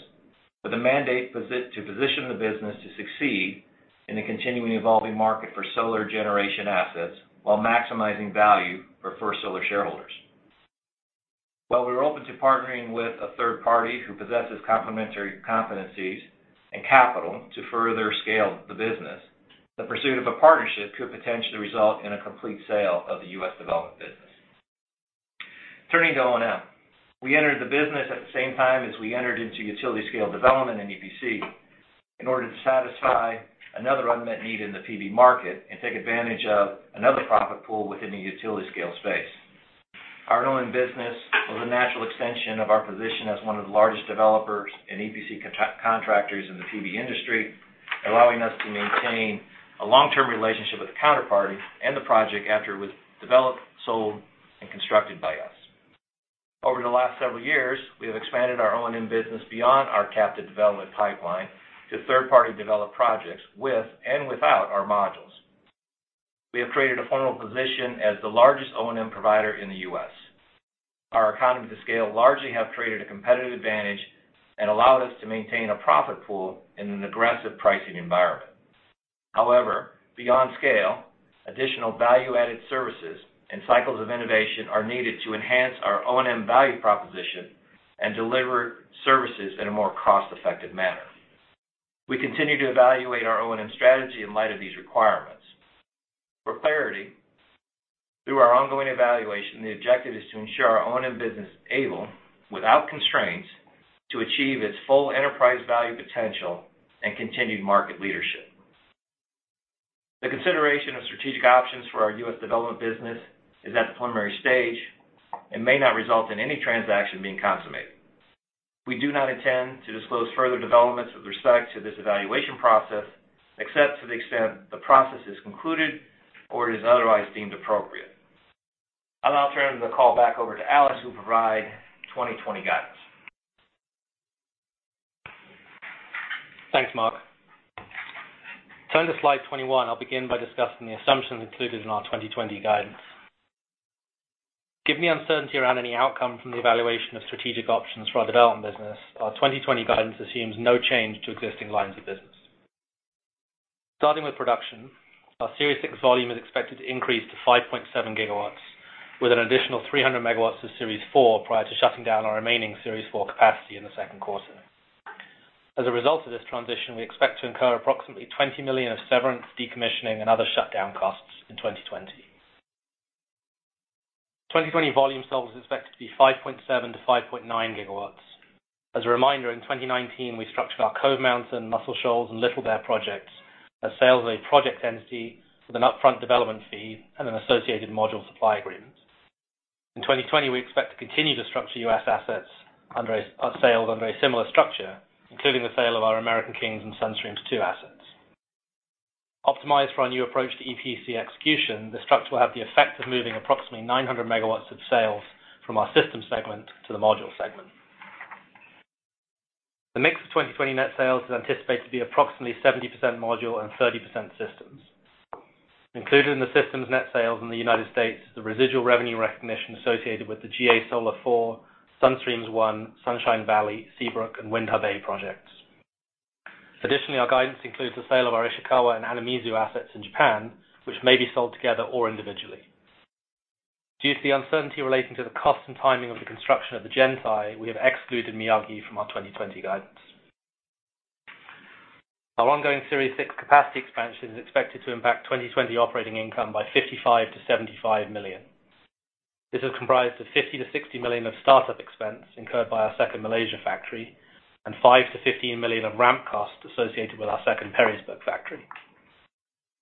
with a mandate to position the business to succeed in a continuing evolving market for solar generation assets while maximizing value for First Solar shareholders. While we are open to partnering with a third-party who possesses complementary competencies and capital to further scale the business, the pursuit of a partnership could potentially result in a complete sale of the U.S. development business. Turning to O&M. We entered the business at the same time as we entered into utility scale development and EPC in order to satisfy another unmet need in the PV market and take advantage of another profit pool within the utility scale space. Our O&M business was a natural extension of our position as one of the largest developers and EPC contractors in the PV industry, allowing us to maintain a long-term relationship with the counterparty and the project after it was developed, sold, and constructed by us. Over the last several years, we have expanded our O&M business beyond our captive development pipeline to third-party developed projects with and without our modules. We have created a formal position as the largest O&M provider in the U.S. our economies of scale largely have created a competitive advantage and allowed us to maintain a profit pool in an aggressive pricing environment. However, beyond scale, additional value-added services and cycles of innovation are needed to enhance our O&M value proposition and deliver services in a more cost-effective manner. We continue to evaluate our O&M strategy in light of these requirements. For clarity, through our ongoing evaluation, the objective is to ensure our O&M business is able, without constraints, to achieve its full enterprise value potential and continued market leadership. The consideration of strategic options for our U.S. development business is at the preliminary stage and may not result in any transaction being consummated. We do not intend to disclose further developments with respect to this evaluation process, except to the extent the process is concluded or is otherwise deemed appropriate. I'll now turn the call back over to Alex, who will provide 2020 guidance. Thanks, Mark. Turning to slide 21, I will begin by discussing the assumptions included in our 2020 guidance. Given the uncertainty around any outcome from the evaluation of strategic options for our development business, our 2020 guidance assumes no change to existing lines of business. Starting with production, our Series 6 volume is expected to increase to 5.7 GW, with an additional 300 MW of Series 4 prior to shutting down our remaining Series 4 capacity in the second quarter. As a result of this transition, we expect to incur approximately $20 million of severance, decommissioning, and other shutdown costs in 2020. 2020 volume sold is expected to be 5.7 GW-5.9 GW. As a reminder, in 2019, we structured our Cove Mountain, Muscle Shoals, and Little Bear projects as sales of their project entity with an upfront development fee and an associated module supply agreement. In 2020, we expect to continue to structure U.S. assets sales under a similar structure, including the sale of our American Kings and Sun Streams 2 assets. Optimized for our new approach to EPC execution, this structure will have the effect of moving approximately 900 MW of sales from our Systems segment to the Module segment. The mix of 2020 net sales is anticipated to be approximately 70% module and 30% systems. Included in the systems net sales in the United States is the residual revenue recognition associated with the GA Solar 4, Sun Streams 1, Sunshine Valley, Seabrook, and Windhub A projects. Additionally, our guidance includes the sale of our Ishikawa and Anamizu assets in Japan, which may be sold together or individually. Due to the uncertainty relating to the cost and timing of the construction of the gen-tie, we have excluded Miyagi from our 2020 guidance. Our ongoing Series 6 capacity expansion is expected to impact 2020 operating income by $55 million-$75 million. This is comprised of $50 million-$60 million of start-up expense incurred by our second Malaysia factory and $5 million-$15 million of ramp costs associated with our second Perrysburg factory.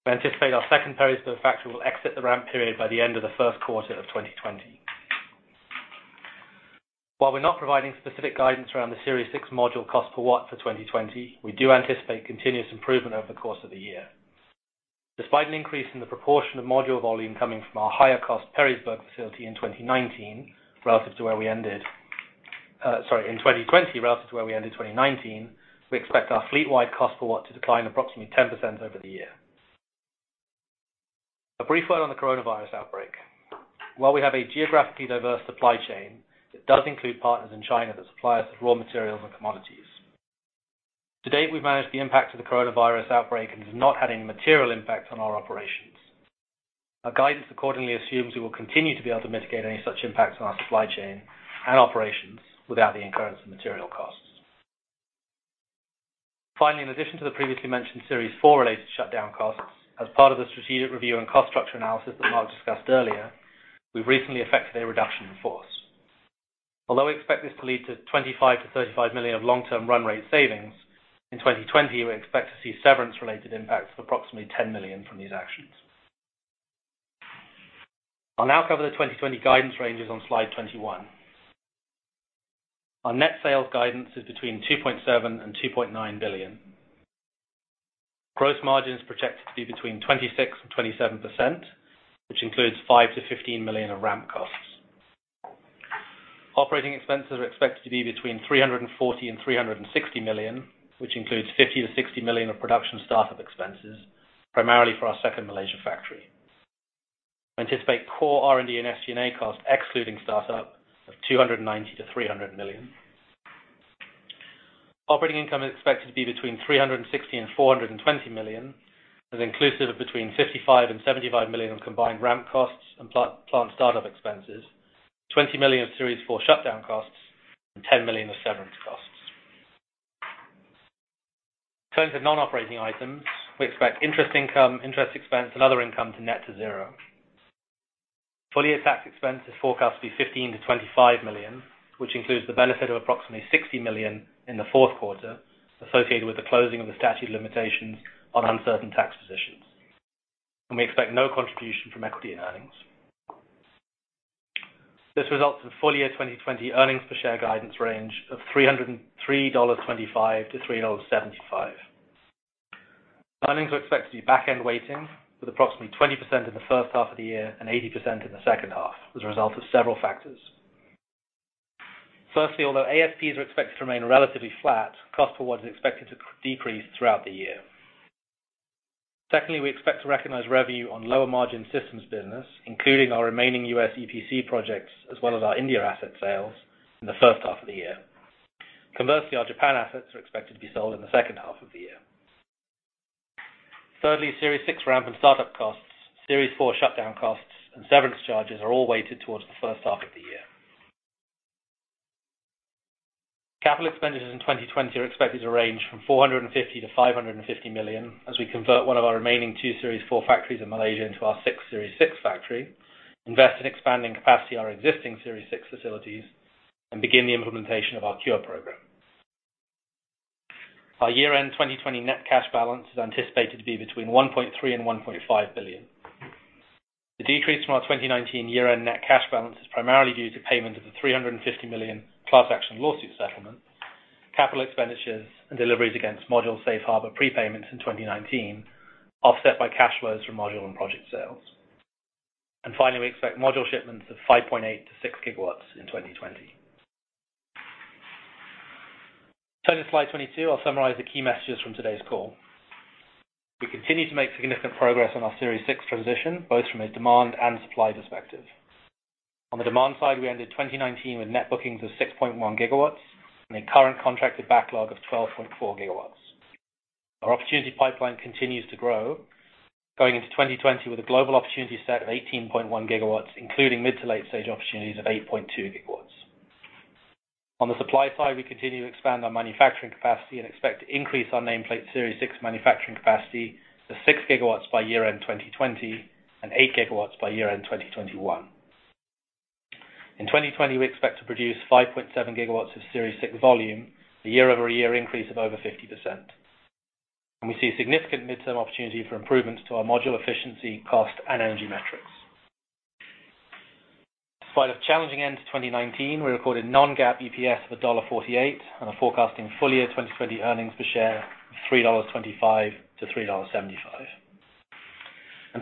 We anticipate our second Perrysburg factory will exit the ramp period by the end of the first quarter of 2020. While we're not providing specific guidance around the Series 6 module cost per watt for 2020, we do anticipate continuous improvement over the course of the year. Despite an increase in the proportion of module volume coming from our higher-cost Perrysburg facility in 2019 relative to where we ended, sorry in 2020 relative to where we ended 2019, we expect our fleet-wide cost per watt to decline approximately 10% over the year. A brief word on the coronavirus outbreak. While we have a geographically diverse supply chain that does include partners in China that supply us with raw materials and commodities. To date, we've managed the impact of the coronavirus outbreak, and it has not had any material impact on our operations. Our guidance accordingly assumes we will continue to be able to mitigate any such impacts on our supply chain and operations without the incurrence of material costs. Finally, in addition to the previously mentioned Series 4-related shutdown costs, as part of the strategic review and cost structure analysis that Mark discussed earlier, we've recently effected a reduction in force. Although we expect this to lead to $25 million-$35 million of long-term run rate savings, in 2020, we expect to see severance-related impacts of approximately $10 million from these actions. I'll now cover the 2020 guidance ranges on slide 21. Our net sales guidance is between $2.7 billion and $2.9 billion. Gross margin is projected to be between 26% and 27%, which includes $5 million-$15 million of ramp costs. Operating expenses are expected to be between $340 million and $360 million, which includes $50 million-$60 million of production startup expenses, primarily for our second Malaysia factory. We anticipate core R&D and SG&A costs, excluding startup, of $290 million-$300 million. Operating income is expected to be between $360 million and $420 million and is inclusive of between $55 million and $75 million of combined ramp costs and plant startup expenses, $20 million of Series 4 shutdown costs, and $10 million of severance costs. In terms of non-operating items, we expect interest income, interest expense, and other income to net to zero. Full-year tax expense is forecast to be $15 million-$25 million, which includes the benefit of approximately $60 million in the fourth quarter associated with the closing of the statute of limitations on uncertain tax positions. We expect no contribution from equity in earnings. This results in full-year 2020 earnings per share guidance range of $3.25-$3.75. Earnings are expected to be back-end weighting with approximately 20% in the first half of the year and 80% in the second half as a result of several factors. Firstly, although ASPs are expected to remain relatively flat, cost per watt is expected to decrease throughout the year. Secondly, we expect to recognize revenue on lower-margin systems business, including our remaining U.S. EPC projects, as well as our India asset sales in the first half of the year. Conversely, our Japan assets are expected to be sold in the second half of the year. Thirdly, Series 6 ramp and startup costs, Series 4 shutdown costs, and severance charges are all weighted towards the first half of the year. Capital expenditures in 2020 are expected to range from $450 million-$550 million as we convert one of our remaining two Series 4 factories in Malaysia into our sixth Series 6 factory, invest in expanding capacity at our existing Series 6 facilities, and begin the implementation of our CuRe program. Our year-end 2020 net cash balance is anticipated to be between $1.3 billion and $1.5 billion. The decrease from our 2019 year-end net cash balance is primarily due to payment of the $350 million class action lawsuit settlement, capital expenditures, and deliveries against module safe harbor prepayments in 2019, offset by cash flows from module and project sales. Finally, we expect module shipments of 5.8 GW-6 GW in 2020. Turning to slide 22, I'll summarize the key messages from today's call. We continue to make significant progress on our Series 6 transition, both from a demand and supply perspective. On the demand side, we ended 2019 with net bookings of 6.1 GW and a current contracted backlog of 12.4 GW. Our opportunity pipeline continues to grow, going into 2020 with a global opportunity set of 18.1 GW, including mid- to late-stage opportunities of 8.2 GW. On the supply side, we continue to expand our manufacturing capacity and expect to increase our nameplate Series 6 manufacturing capacity to 6 GW by year-end 2020 and 8 GW by year-end 2021. In 2020, we expect to produce 5.7 GW of Series 6 volume, a year-over-year increase of over 50%. We see a significant midterm opportunity for improvements to our module efficiency, cost, and energy metrics. Despite a challenging end to 2019, we recorded non-GAAP EPS of $1.48 and are forecasting full-year 2020 earnings per share of $3.25-$3.75.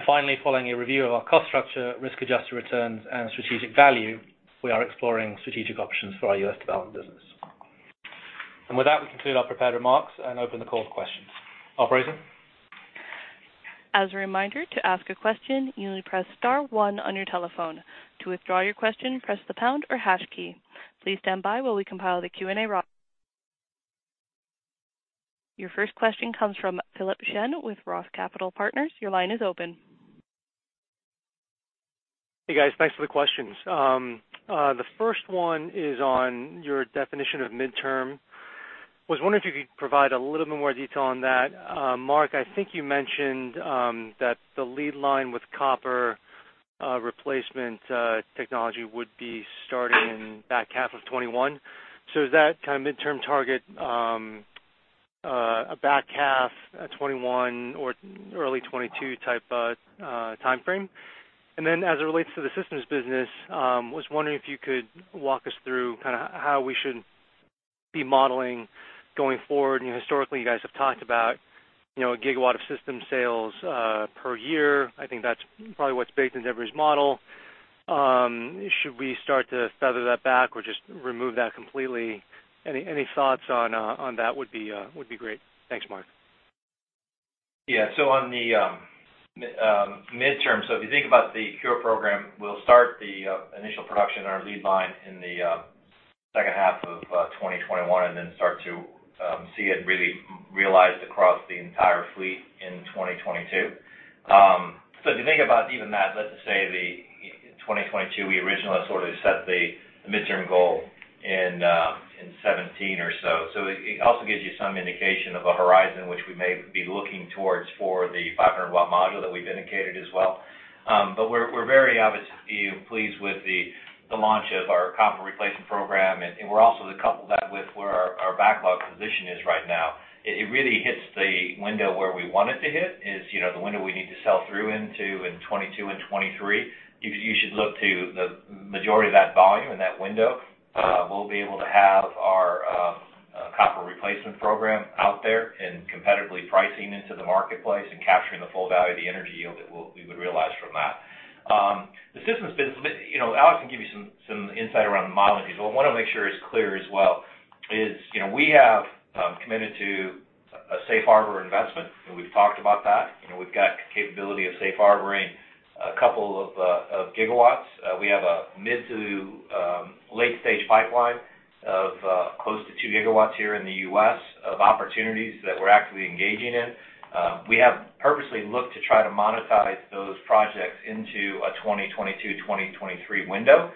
Finally, following a review of our cost structure, risk-adjusted returns, and strategic value, we are exploring strategic options for our U.S. development business. With that, we conclude our prepared remarks and open the call to questions. Operator? As a reminder, to ask a question, you only press star one on your telephone. To withdraw your question, press the pound or hash key. Please stand by while we compile the Q&A roster. Your first question comes from Philip Shen with Roth Capital Partners. Your line is open. Hey, guys. Thanks for the questions. The first one is on your definition of midterm. I was wondering if you could provide a little bit more detail on that? Mark, I think you mentioned that the lead line with Copper Replacement technology would be starting in the back half of 2021. Is that midterm target a back half 2021 or early 2022 type timeframe? As it relates to the systems business, I was wondering if you could walk us through how we should be modeling going forward? Historically, you guys have talked about a gigawatt of system sales per year. I think that's probably what's baked into everybody's model. Should we start to feather that back or just remove that completely? Any thoughts on that would be great. Thanks, Mark. On the midterm, if you think about the CuRe program, we'll start the initial production on our lead line in the second half of 2021, and then start to see it really realized across the entire fleet in 2022. If you think about even that, let's say the 2022, we originally sort of set the midterm goal in 2017 or so. It also gives you some indication of a horizon which we may be looking towards for the 500 W module that we've indicated as well. We're very obviously pleased with the launch of our Copper Replacement program, and we're also going to couple that with where our backlog position is right now. It really hits the window where we want it to hit. It's the window we need to sell through into in 2022 and 2023. You should look to the majority of that volume in that window. We'll be able to have our Copper Replacement program out there and competitively pricing into the marketplace and capturing the full value of the energy yield that we would realize from that. Alex can give you some insight around the modeling piece, but I want to make sure it's clear as well, is we have committed to a safe harbor investment, and we've talked about that. We've got capability of safe harboring a couple of gigawatts. We have a mid to late-stage pipeline of close to 2 GW here in the U.S. of opportunities that we're actively engaging in. We have purposely looked to try to monetize those projects into a 2022, 2023 window.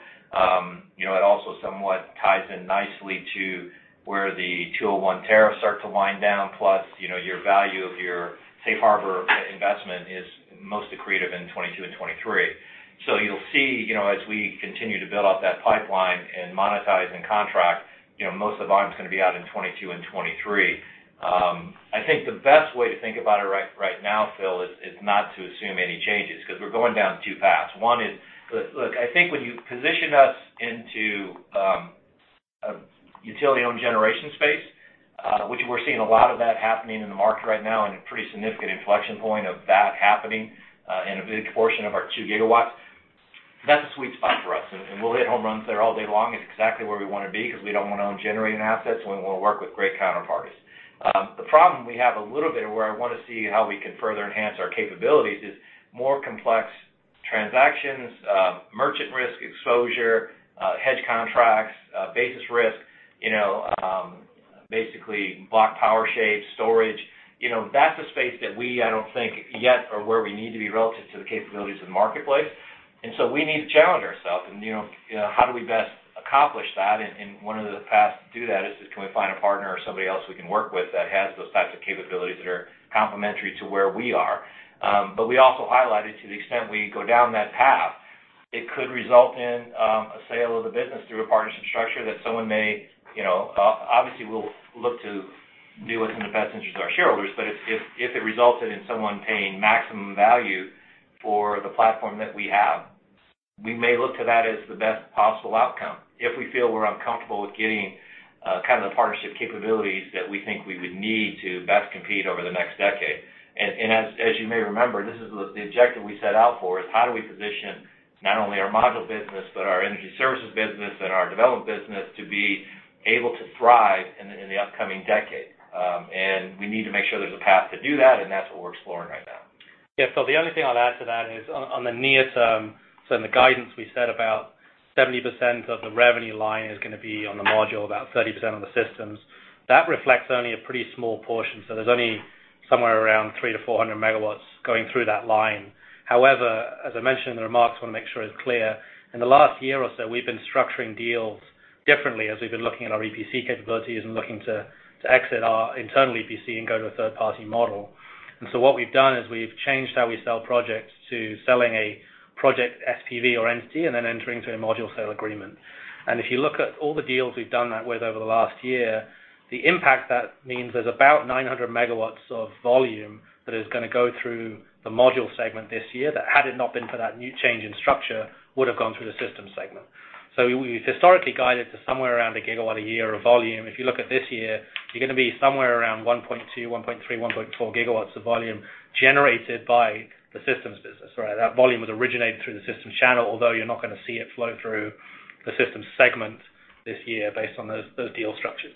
It also somewhat ties in nicely to where the 201 tariffs start to wind down, plus your value of your safe harbor investment is most accretive in 2022 and 2023. You'll see, as we continue to build out that pipeline and monetize and contract, most of the volume is going to be out in 2022 and 2023. I think the best way to think about it right now, Phil, is not to assume any changes, because we're going down two paths. Look, I think when you position us into a utility-owned generation space, which we're seeing a lot of that happening in the market right now and a pretty significant inflection point of that happening in a big portion of our 2 GW, that's a sweet spot for us, and we'll hit home runs there all day long. It's exactly where we want to be because we don't want to own generating assets, and we want to work with great counterparties. The problem we have a little bit of where I want to see how we can further enhance our capabilities is more complex transactions, merchant risk exposure, hedge contracts, basis risk, basically block power shape, storage. That's a space that we, I don't think yet, are where we need to be relative to the capabilities of the marketplace. We need to challenge ourselves and how do we best accomplish that, and one of the paths to do that is can we find a partner or somebody else we can work with that has those types of capabilities that are complementary to where we are? We also highlighted to the extent we go down that path, it could result in a sale of the business through a partnership structure. Obviously, we'll look to do what's in the best interest of our shareholders. If it resulted in someone paying maximum value for the platform that we have, we may look to that as the best possible outcome if we feel we're uncomfortable with getting the partnership capabilities that we think we would need to best compete over the next decade. As you may remember, this is the objective we set out for, is how do we position not only our module business but our energy services business and our development business to be able to thrive in the upcoming decade. We need to make sure there's a path to do that, and that's what we're exploring right now. Yeah. Phil, the only thing I'll add to that is on the near term, in the guidance, we said about 70% of the revenue line is going to be on the module, about 30% on the systems. That reflects only a pretty small portion. There's only somewhere around 300 MW-400 MW going through that line. However, as I mentioned in the remarks, I want to make sure it's clear. In the last year or so, we've been structuring deals differently as we've been looking at our EPC capabilities and looking to exit our internal EPC and go to a third-party model. What we've done is we've changed how we sell projects to selling a project SPV or entity and then entering into a module sale agreement. If you look at all the deals we've done that with over the last year, the impact that means there is about 900 MW of volume that is going to go through the Module segment this year that had it not been for that new change in structure, would have gone through the Systems segment. We've historically guided to somewhere around a gigawatt a year of volume. If you look at this year, you are going to be somewhere around 1.2 GW, 1.3 GW, 1.4 GW of volume generated by the systems business. That volume was originated through the systems channel, although you are not going to see it flow through the Systems segment this year based on those deal structures.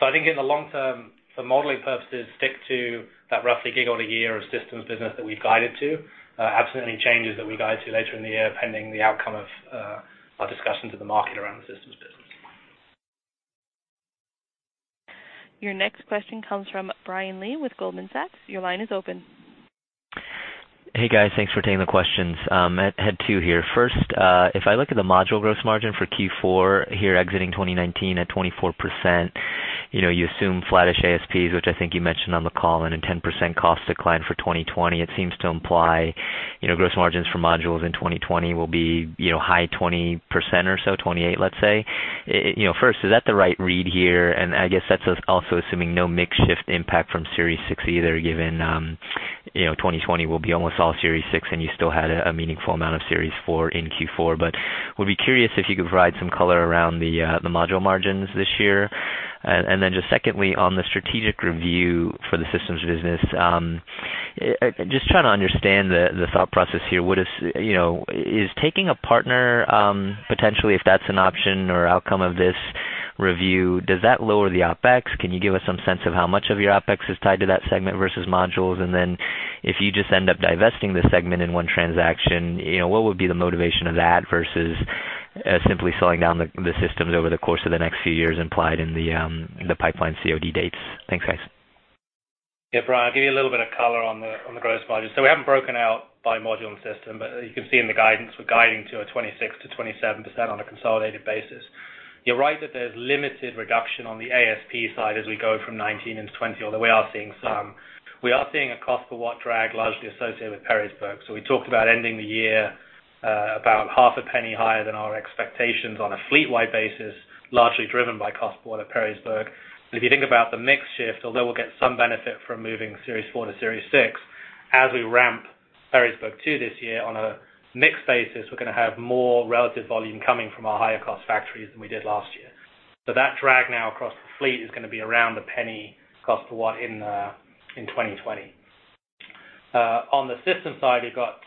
I think in the long term, for modeling purposes, stick to that roughly a gigawatt a year of systems business that we've guided to. Absolutely, any changes that we guide to later in the year pending the outcome of our discussions with the market around the systems business. Your next question comes from Brian Lee with Goldman Sachs. Your line is open. Hey, guys. Thanks for taking the questions. I had two here. First, if I look at the module gross margin for Q4 here exiting 2019 at 24%, you assume flattish ASPs, which I think you mentioned on the call, and a 10% cost decline for 2020. It seems to imply gross margins for modules in 2020 will be high 20% or so, 28%, let's say. First, is that the right read here? I guess that's also assuming no mix shift impact from Series 6 either, given 2020 will be almost all Series 6, and you still had a meaningful amount of Series 4 in Q4. Would be curious if you could provide some color around the module margins this year. Just secondly, on the strategic review for the systems business. Just trying to understand the thought process here. Is taking a partner, potentially, if that's an option or outcome of this review, does that lower the OpEx? Can you give us some sense of how much of your OpEx is tied to that segment versus modules? If you just end up divesting the segment in one transaction, what would be the motivation of that versus simply selling down the systems over the course of the next few years implied in the pipeline COD dates? Thanks, guys. Yeah, Brian, I'll give you a little bit of color on the gross margin. We haven't broken out by module and system, but you can see in the guidance, we're guiding to a 26%-27% on a consolidated basis. You're right that there's limited reduction on the ASP side as we go from 2019 into 2020, although we are seeing some. We are seeing a cost per watt drag largely associated with Perrysburg. We talked about ending the year about half a penny higher than our expectations on a fleet-wide basis, largely driven by cost per watt at Perrysburg. If you think about the mix shift, although we'll get some benefit from moving Series 4 to Series 6, as we ramp Perrysburg 2 this year on a mix basis, we're going to have more relative volume coming from our higher-cost factories than we did last year. That drag now across the fleet is going to be around $0.01 cost per watt in 2020. On the system side, we've got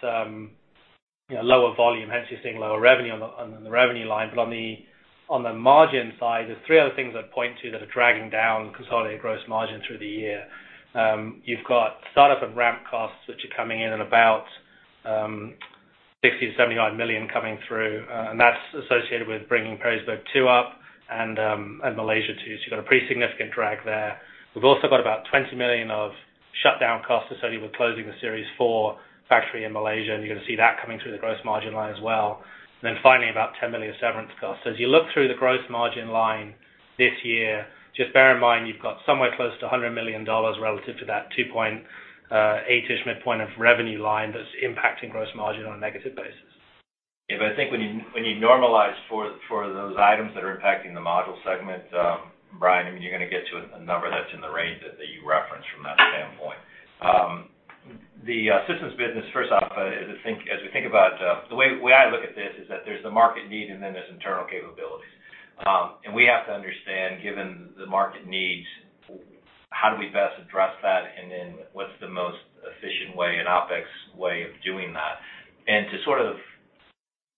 lower volume, hence you're seeing lower revenue on the revenue line. On the margin side, there's three other things I'd point to that are dragging down consolidated gross margin through the year. You've got startup and ramp costs that are coming in at about $60 million-$75 million coming through. That's associated with bringing Perrysburg 2 up and Malaysia 2. You've got a pretty significant drag there. We've also got about $20 million of shutdown costs associated with closing the Series 4 factory in Malaysia, and you're going to see that coming through the gross margin line as well. Finally, about $10 million severance costs. As you look through the gross margin line this year, just bear in mind, you've got somewhere close to $100 million relative to that 2.8-ish midpoint of revenue line that's impacting gross margin on a negative basis. Yeah. I think when you normalize for those items that are impacting the Module segment, Brian, you're going to get to a number that's in the range that you referenced from that standpoint. The systems business, first off, the way I look at this is that there's the market need and then there's internal capabilities. We have to understand, given the market needs, how do we best address that, and then what's the most efficient way and OpEx way of doing that? To sort of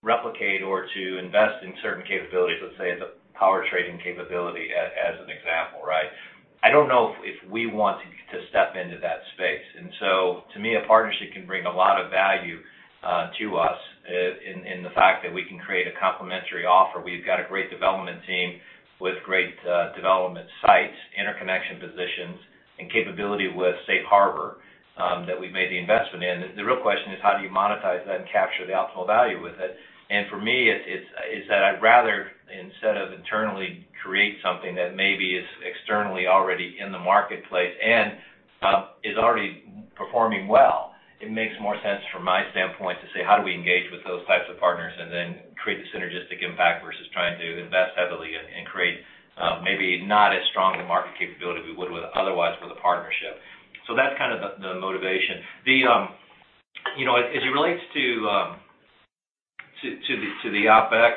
replicate or to invest in certain capabilities, let's say the power trading capability as an example, I don't know if we want to step into that space. To me, a partnership can bring a lot of value to us in the fact that we can create a complementary offer. We've got a great development team with great development sites, interconnection positions, and capability with safe harbor that we've made the investment in. The real question is how do you monetize that and capture the optimal value with it? For me, it's that I'd rather, instead of internally create something that maybe is externally already in the marketplace and is already performing well, it makes more sense from my standpoint to say, how do we engage with those types of partners and then create the synergistic impact versus trying to invest heavily and create maybe not as strong of a market capability we would with otherwise with a partnership. That's kind of the motivation. As it relates to the OpEx,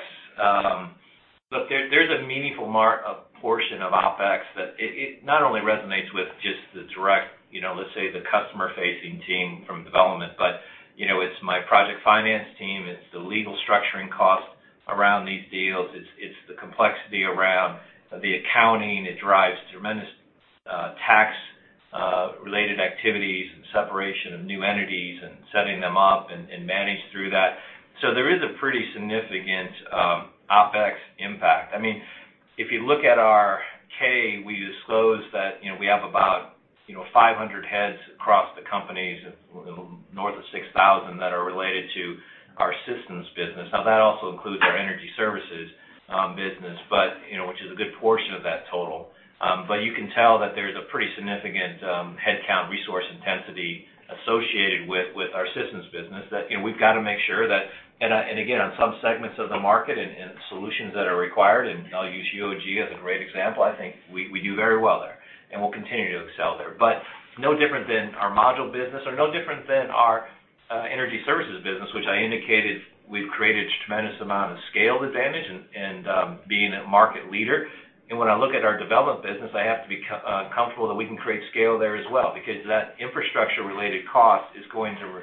look, there's a meaningful portion of OpEx that it not only resonates with just the direct, let's say, the customer-facing team from development, but it's my project finance team, it's the legal structuring cost around these deals. It's the complexity around the accounting. It drives tremendous tax-related activities and separation of new entities and setting them up and manage through that. There is a pretty significant OpEx impact. If you look at our K, we disclose that we have about 500 heads across the companies, north of 6,000 that are related to our systems business. That also includes our energy services business, which is a good portion of that total. You can tell that there's a pretty significant headcount resource intensity associated with our systems business. Again, on some segments of the market and solutions that are required, I'll use UOG as a great example, I think we do very well there, and we'll continue to excel there. No different than our module business or no different than our energy services business, which I indicated we've created a tremendous amount of scale advantage and being a market leader. When I look at our development business, I have to be comfortable that we can create scale there as well, because that infrastructure-related cost is going to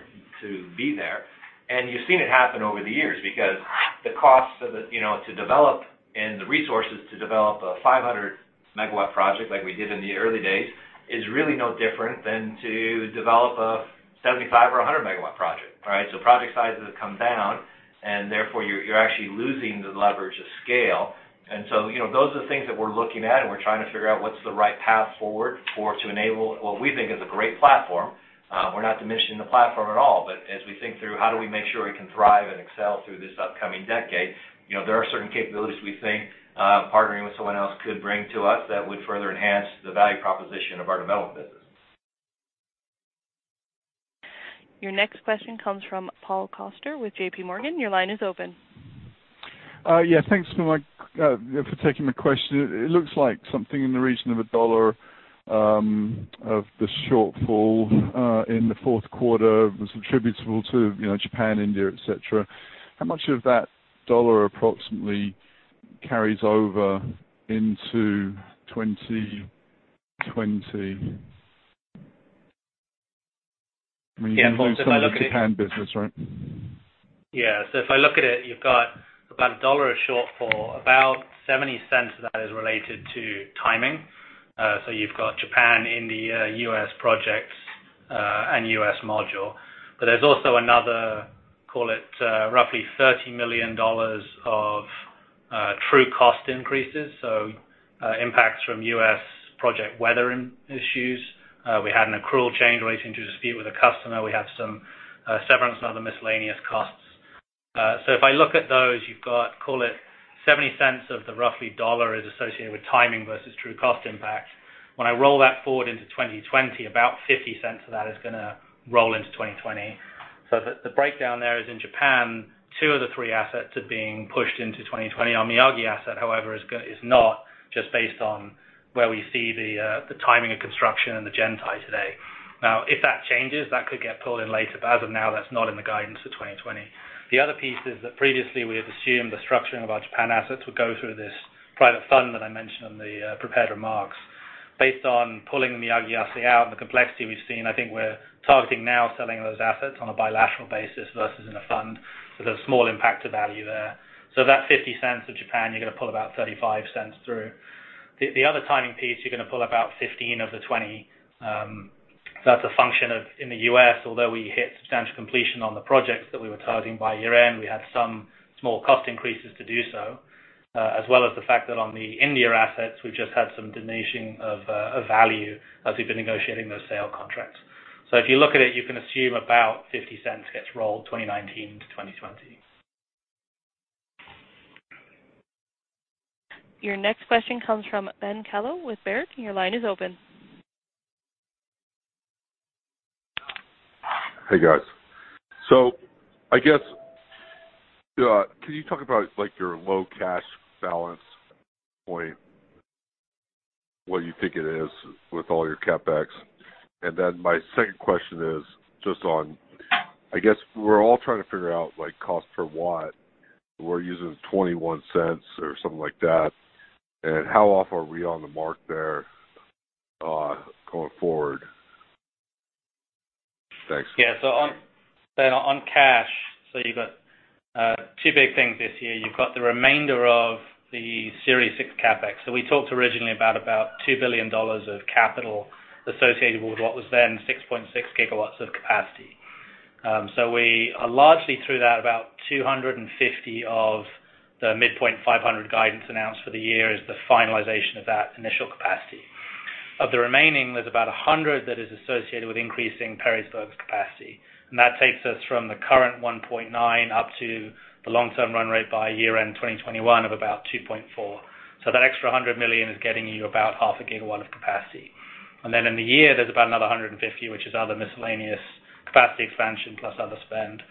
be there. You've seen it happen over the years because the cost to develop and the resources to develop a 500 MW project like we did in the early days is really no different than to develop a 75 MW or 100 MW project. Project sizes have come down, and therefore you're actually losing the leverage of scale. Those are the things that we're looking at, and we're trying to figure out what's the right path forward to enable what we think is a great platform. We're not diminishing the platform at all. As we think through how do we make sure we can thrive and excel through this upcoming decade, there are certain capabilities we think partnering with someone else could bring to us that would further enhance the value proposition of our development business. Your next question comes from Paul Coster with JPMorgan. Your line is open. Yeah. Thanks for taking my question. It looks like something in the region of a dollar of the shortfall in the fourth quarter was attributable to Japan, India, et cetera. How much of that dollar approximately carries over into 2020? I mean, it involves some of the Japan business, right? Yeah. If I look at it, you've got about a dollar of shortfall. About $0.70 of that is related to timing. You've got Japan, India, U.S. projects, and U.S. module. There's also another, call it roughly $30 million of true cost increases. Impacts from U.S. project weathering issues. We had an accrual change relating to a dispute with a customer. We have some severance and other miscellaneous costs. If I look at those, you've got, call it $0.70 of the roughly dollar is associated with timing versus true cost impact. When I roll that forward into 2020, about $0.50 of that is going to roll into 2020. The breakdown there is in Japan, two of the three assets are being pushed into 2020. Our Miyagi asset, however, is not, just based on where we see the timing of construction and the gen-tie today. If that changes, that could get pulled in later, but as of now, that's not in the guidance for 2020. The other piece is that previously we had assumed the structuring of our Japan assets would go through this private fund that I mentioned in the prepared remarks. Based on pulling the Miyagi asset out and the complexity we've seen, I think we're targeting now selling those assets on a bilateral basis versus in a fund with a small impact to value there. Of that $0.50 of Japan, you're going to pull about $0.35 through. The other timing piece, you're going to pull about $0.15 of the $0.20. That's a function of, in the U.S., although we hit substantial completion on the projects that we were targeting by year-end, we had some small cost increases to do so, as well as the fact that on the India assets, we've just had some diminishing of value as we've been negotiating those sale contracts. If you look at it, you can assume about $0.50 gets rolled 2019 to 2020. Your next question comes from Ben Kallo with Baird. Your line is open. Hey, guys. I guess, can you talk about your low cash balance point, what you think it is with all your CapEx? My second question is just on, I guess we're all trying to figure out cost per watt. We're using $0.21 or something like that. How off are we on the mark there, going forward? Thanks. Yeah. Ben, on cash, you've got two big things this year. You've got the remainder of the Series 6 CapEx. We talked originally about $2 billion of capital associated with what was then 6.6 GW of capacity. We are largely through that. About $250 of the midpoint $500 guidance announced for the year is the finalization of that initial capacity. Of the remaining, there's about $100 that is associated with increasing Perrysburg's capacity, and that takes us from the current 1.9 up to the long-term run rate by year-end 2021 of about 2.4. That extra $100 million is getting you about half a gigawatt of capacity. Then in the year, there's about another $150, which is other miscellaneous capacity expansion plus other spend.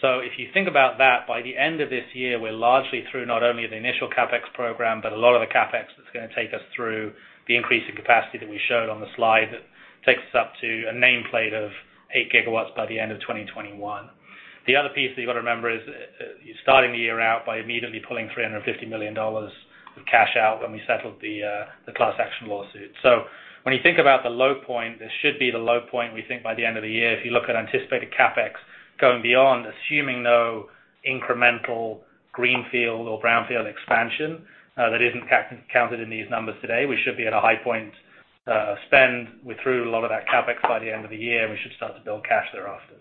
If you think about that, by the end of this year, we're largely through not only the initial CapEx program, but a lot of the CapEx that's going to take us through the increase in capacity that we showed on the slide. That takes us up to a nameplate of 8 GW by the end of 2021. The other piece that you've got to remember is, you're starting the year out by immediately pulling $350 million of cash out when we settled the class action lawsuit. When you think about the low point, this should be the low point, we think, by the end of the year. If you look at anticipated CapEx going beyond, assuming no incremental greenfield or brownfield expansion, that isn't counted in these numbers today, we should be at a high point of spend. We're through a lot of that CapEx by the end of the year. We should start to build cash thereafter.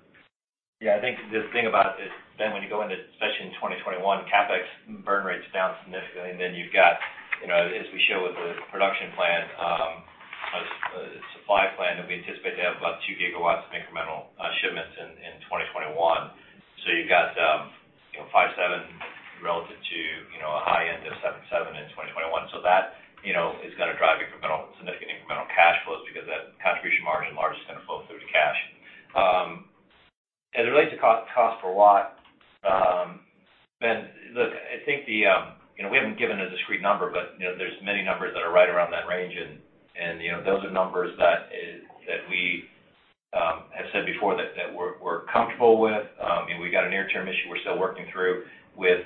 Yeah, I think the thing about it is when you go into, especially in 2021 CapEx, burn rate's down significantly. You've got, as we show with the production plan, a supply plan that we anticipate to have about 2 GW of incremental shipments in 2021. You've got 5.7 GW relative to a high end of 7.7 GW in 2021. That is going to drive significant incremental cash flows because that contribution margin largely is going to flow through to cash. As it relates to cost per watt, Ben, look, I think the, We haven't given a discrete number, but there's many numbers that are right around that range, and those are numbers that we have said before that we're comfortable with. We've got a near-term issue we're still working through with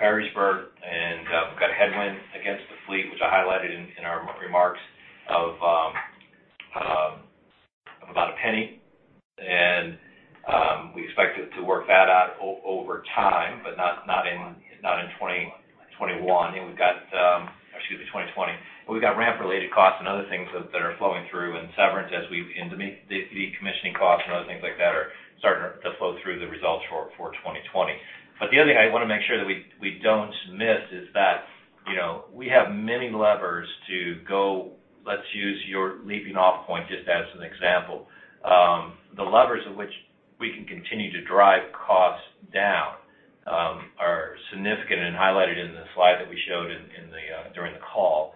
Perrysburg, and we've got a headwind against the fleet, which I highlighted in our remarks, of about $0.01. We expect to work that out over time, but not in 2021. Excuse me, 2020. We've got ramp-related costs and other things that are flowing through, and severance as the decommissioning costs and other things like that are starting to flow through the results for 2020. The other thing I want to make sure that we don't miss is that we have many levers to go, let's use your leaping-off point just as an example. The levers of which we can continue to drive costs down are significant and highlighted in the slide that we showed during the call.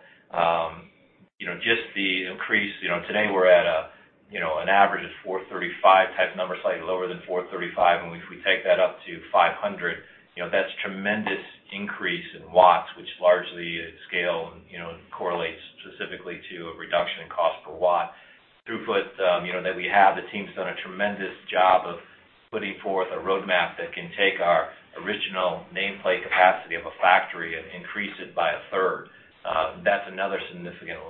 Just the increase. Today, we're at an average of 435 type number, slightly lower than 435 W, and if we take that up to 500 W, that's tremendous increase in watts, which largely scale and correlates specifically to a reduction in cost per watt. Throughput that we have, the team's done a tremendous job of putting forth a roadmap that can take our original nameplate capacity of a factory and increase it by 1/3. That's another significant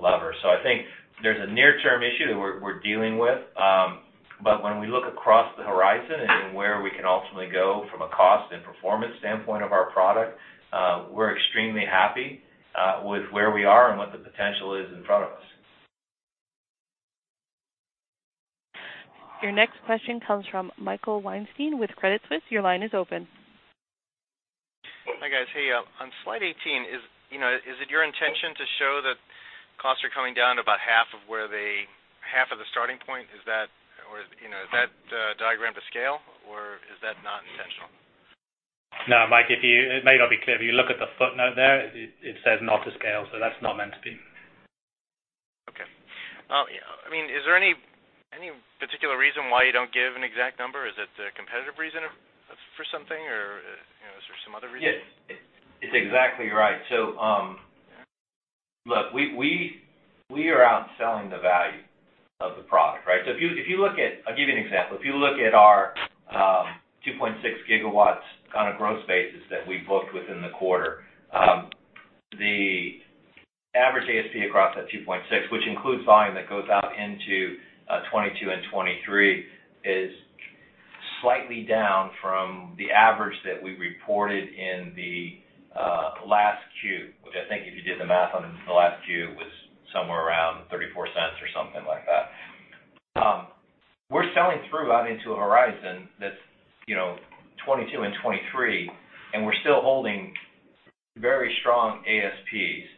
lever. I think there's a near-term issue that we're dealing with. When we look across the horizon and where we can ultimately go from a cost and performance standpoint of our product, we're extremely happy with where we are and what the potential is in front of us. Your next question comes from Michael Weinstein with Credit Suisse. Your line is open. Hi, guys. Hey, on slide 18, is it your intention to show that costs are coming down to about half of the starting point? Is that diagram to scale, or is that not intentional? No, Mike, it may not be clear, but if you look at the footnote there, it says, not to scale. That's not meant to be. Okay. Is there any particular reason why you don't give an exact number? Is it a competitive reason for something, or is there some other reason? Yes, it's exactly right. Look, we are out selling the value of the product, right? I'll give you an example. If you look at our 2.6 GW kind of growth spaces that we booked within the quarter, the average ASP across that 2.6 GW, which includes volume that goes out into 2022 and 2023, is slightly down from the average that we reported in the last Q, which I think if you did the math on the last Q, was somewhere around $0.34 or something like that. We're selling through out into a horizon that's 2022 and 2023, and we're still holding very strong ASPs.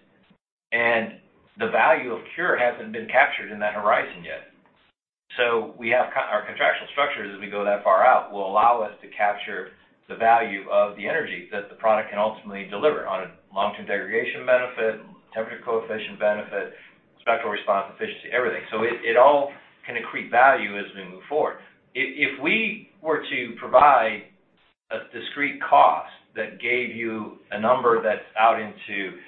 The value of CuRe hasn't been captured in that horizon yet. Our contractual structures, as we go that far out, will allow us to capture the value of the energy that the product can ultimately deliver on a long-term degradation benefit, temperature coefficient benefit, spectral response, efficiency, everything. It all can accrete value as we move forward. If we were to provide a discrete cost that gave you a number that's out into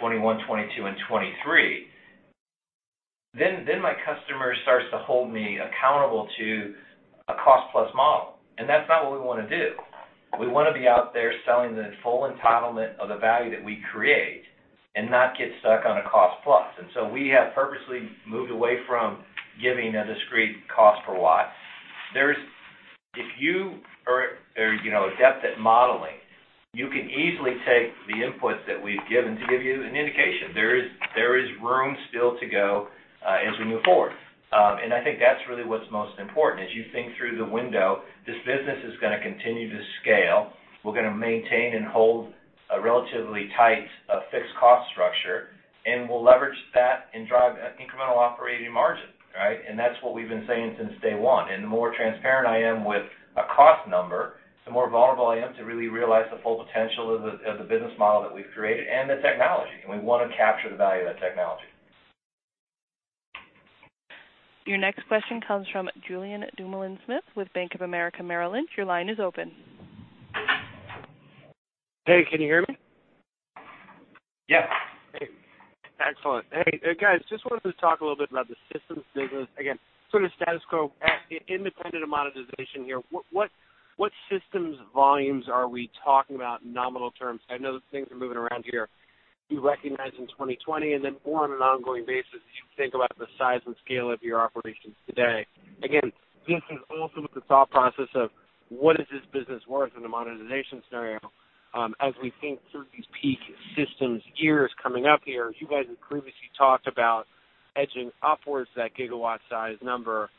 2021, 2022, and 2023, then my customer starts to hold me accountable to a cost-plus model. That's not what we want to do. We want to be out there selling the full entitlement of the value that we create and not get stuck on a cost-plus. We have purposely moved away from giving a discrete cost per watt. If you are adept at modeling, you can easily take the inputs that we've given to give you an indication. There is room still to go as we move forward. I think that's really what's most important. As you think through the window, this business is going to continue to scale. We're going to maintain and hold a relatively tight fixed cost structure, and we'll leverage that and drive incremental operating margin. Right? That's what we've been saying since day one. The more transparent I am with a cost number, the more vulnerable I am to really realize the full potential of the business model that we've created and the technology, and we want to capture the value of that technology. Your next question comes from Julien Dumoulin-Smith with Bank of America Merrill Lynch. Your line is open. Hey, can you hear me? Yes. Hey. Excellent. Hey, guys, just wanted to talk a little bit about the systems business. Again, sort of status quo, independent of monetization here, what systems volumes are we talking about in nominal terms? I know things are moving around here. Do you recognize in 2020, and then more on an ongoing basis as you think about the size and scale of your operations today? Again, this is also with the thought process of what is this business worth in a monetization scenario as we think through these peak systems years coming up here. You guys have previously talked about edging upwards that gigawatt size number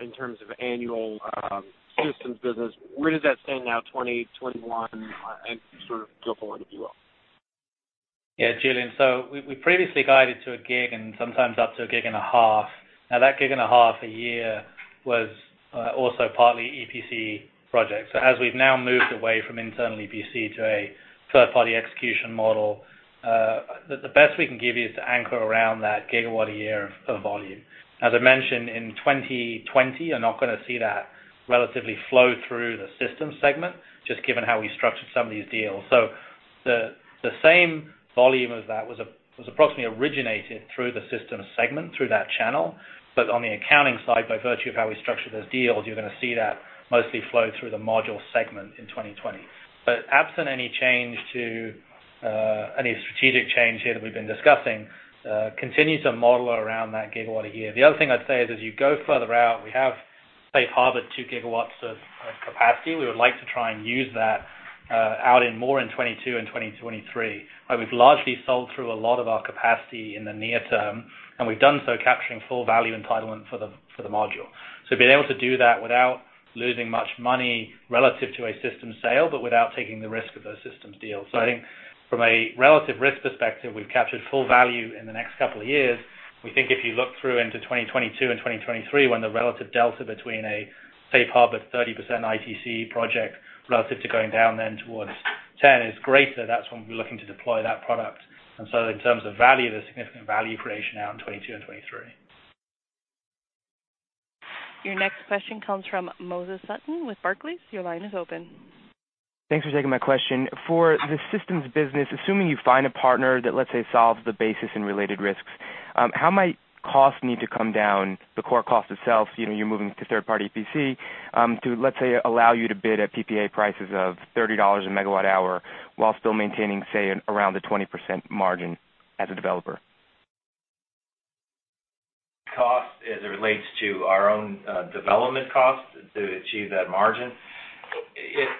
in terms of annual systems business. Where does that stand now, 2020, 2021, and sort of go forward, if you will? Yeah, Julien, we previously guided to a gig and sometimes up to a gig and a half. That gig and a half a year was also partly EPC projects. As we've now moved away from internal EPC to a third-party execution model, the best we can give you is to anchor around that gigawatt a year of volume. As I mentioned, in 2020, you're not going to see that relatively flow through the Systems segment, just given how we structured some of these deals. The same volume of that was approximately originated through the Systems segment, through that channel. On the accounting side, by virtue of how we structured those deals, you're going to see that mostly flow through the Module segment in 2020. Absent any strategic change here that we've been discussing, continue to model around that gigawatt a year. The other thing I'd say is, as you go further out, we have safe harbor 2 GW of capacity. We would like to try and use that out in more in 2022 and 2023. We've largely sold through a lot of our capacity in the near term, and we've done so capturing full value entitlement for the module. Being able to do that without losing much money relative to a systems sale, but without taking the risk of a systems deal. I think from a relative risk perspective, we've captured full value in the next couple of years. We think if you look through into 2022 and 2023, when the relative delta between a safe harbor 30% ITC project relative to going down then towards 10% is greater, that's when we'll be looking to deploy that product. In terms of value, there's significant value creation out in 2022 and 2023. Your next question comes from Moses Sutton with Barclays. Your line is open. Thanks for taking my question. For the systems business, assuming you find a partner that, let's say, solves the basis and related risks, how might cost need to come down, the core cost itself, you're moving to third-party EPC, to, let's say, allow you to bid at PPA prices of $30 a megawatt hour while still maintaining, say, around a 20% margin as a developer? Cost as it relates to our own development costs to achieve that margin?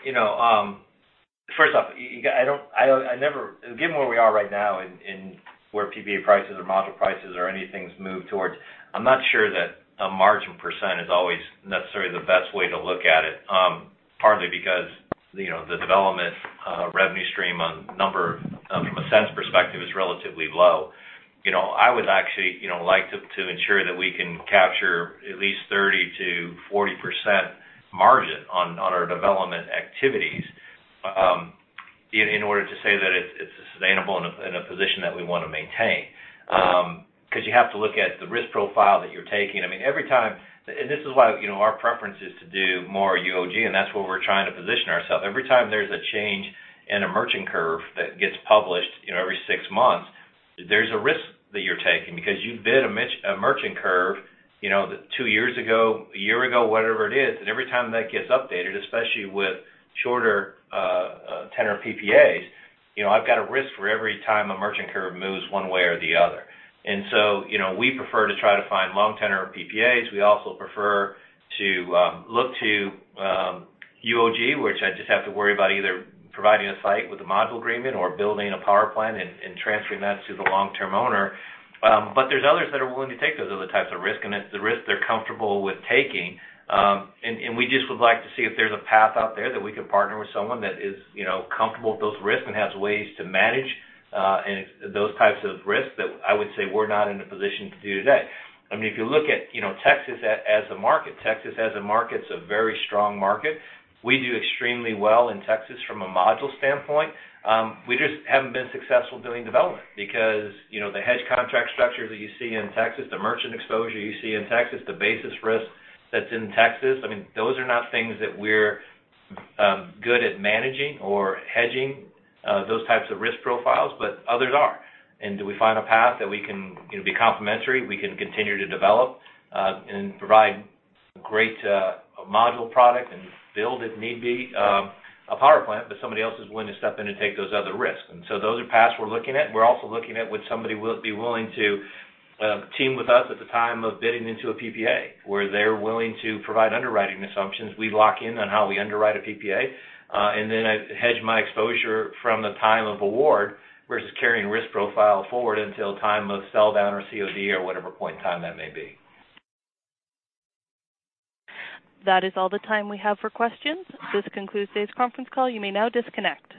Given where we are right now in where PPA prices or module prices or anything's moved towards, I'm not sure that a margin percent is always necessarily the best way to look at it. Partly because the development revenue stream on number from a cents perspective is relatively low. I would actually like to ensure that we can capture at least 30%-40% margin on our development activities in order to say that it's sustainable and in a position that we want to maintain. You have to look at the risk profile that you're taking. This is why our preference is to do more UOG, and that's where we're trying to position ourselves. Every time there's a change in a merchant curve that gets published every six months, there's a risk that you're taking because you bid a merchant curve two years ago, a year ago, whatever it is, and every time that gets updated, especially with shorter tenor PPAs, I've got a risk for every time a merchant curve moves one way or the other. We prefer to try to find long tenor PPAs. We also prefer to look to UOG, which I just have to worry about either providing a site with a module agreement or building a power plant and transferring that to the long-term owner. There's others that are willing to take those other types of risk, and it's the risk they're comfortable with taking. We just would like to see if there's a path out there that we can partner with someone that is comfortable with those risks and has ways to manage those types of risks that I would say we're not in a position to do today. If you look at Texas as a market, Texas as a market's a very strong market. We do extremely well in Texas from a module standpoint. We just haven't been successful doing development because the hedge contract structure that you see in Texas, the merchant exposure you see in Texas, the basis risk that's in Texas, those are not things that we're good at managing or hedging those types of risk profiles, but others are. Do we find a path that we can be complementary, we can continue to develop and provide great module product, and build, if need be, a power plant, but somebody else is willing to step in and take those other risks. Those are paths we're looking at. We're also looking at would somebody be willing to team with us at the time of bidding into a PPA, where they're willing to provide underwriting assumptions. We lock in on how we underwrite a PPA. Then I hedge my exposure from the time of award versus carrying risk profile forward until time of sell down our COD or whatever point in time that may be. That is all the time we have for questions. This concludes today's conference call. You may now disconnect.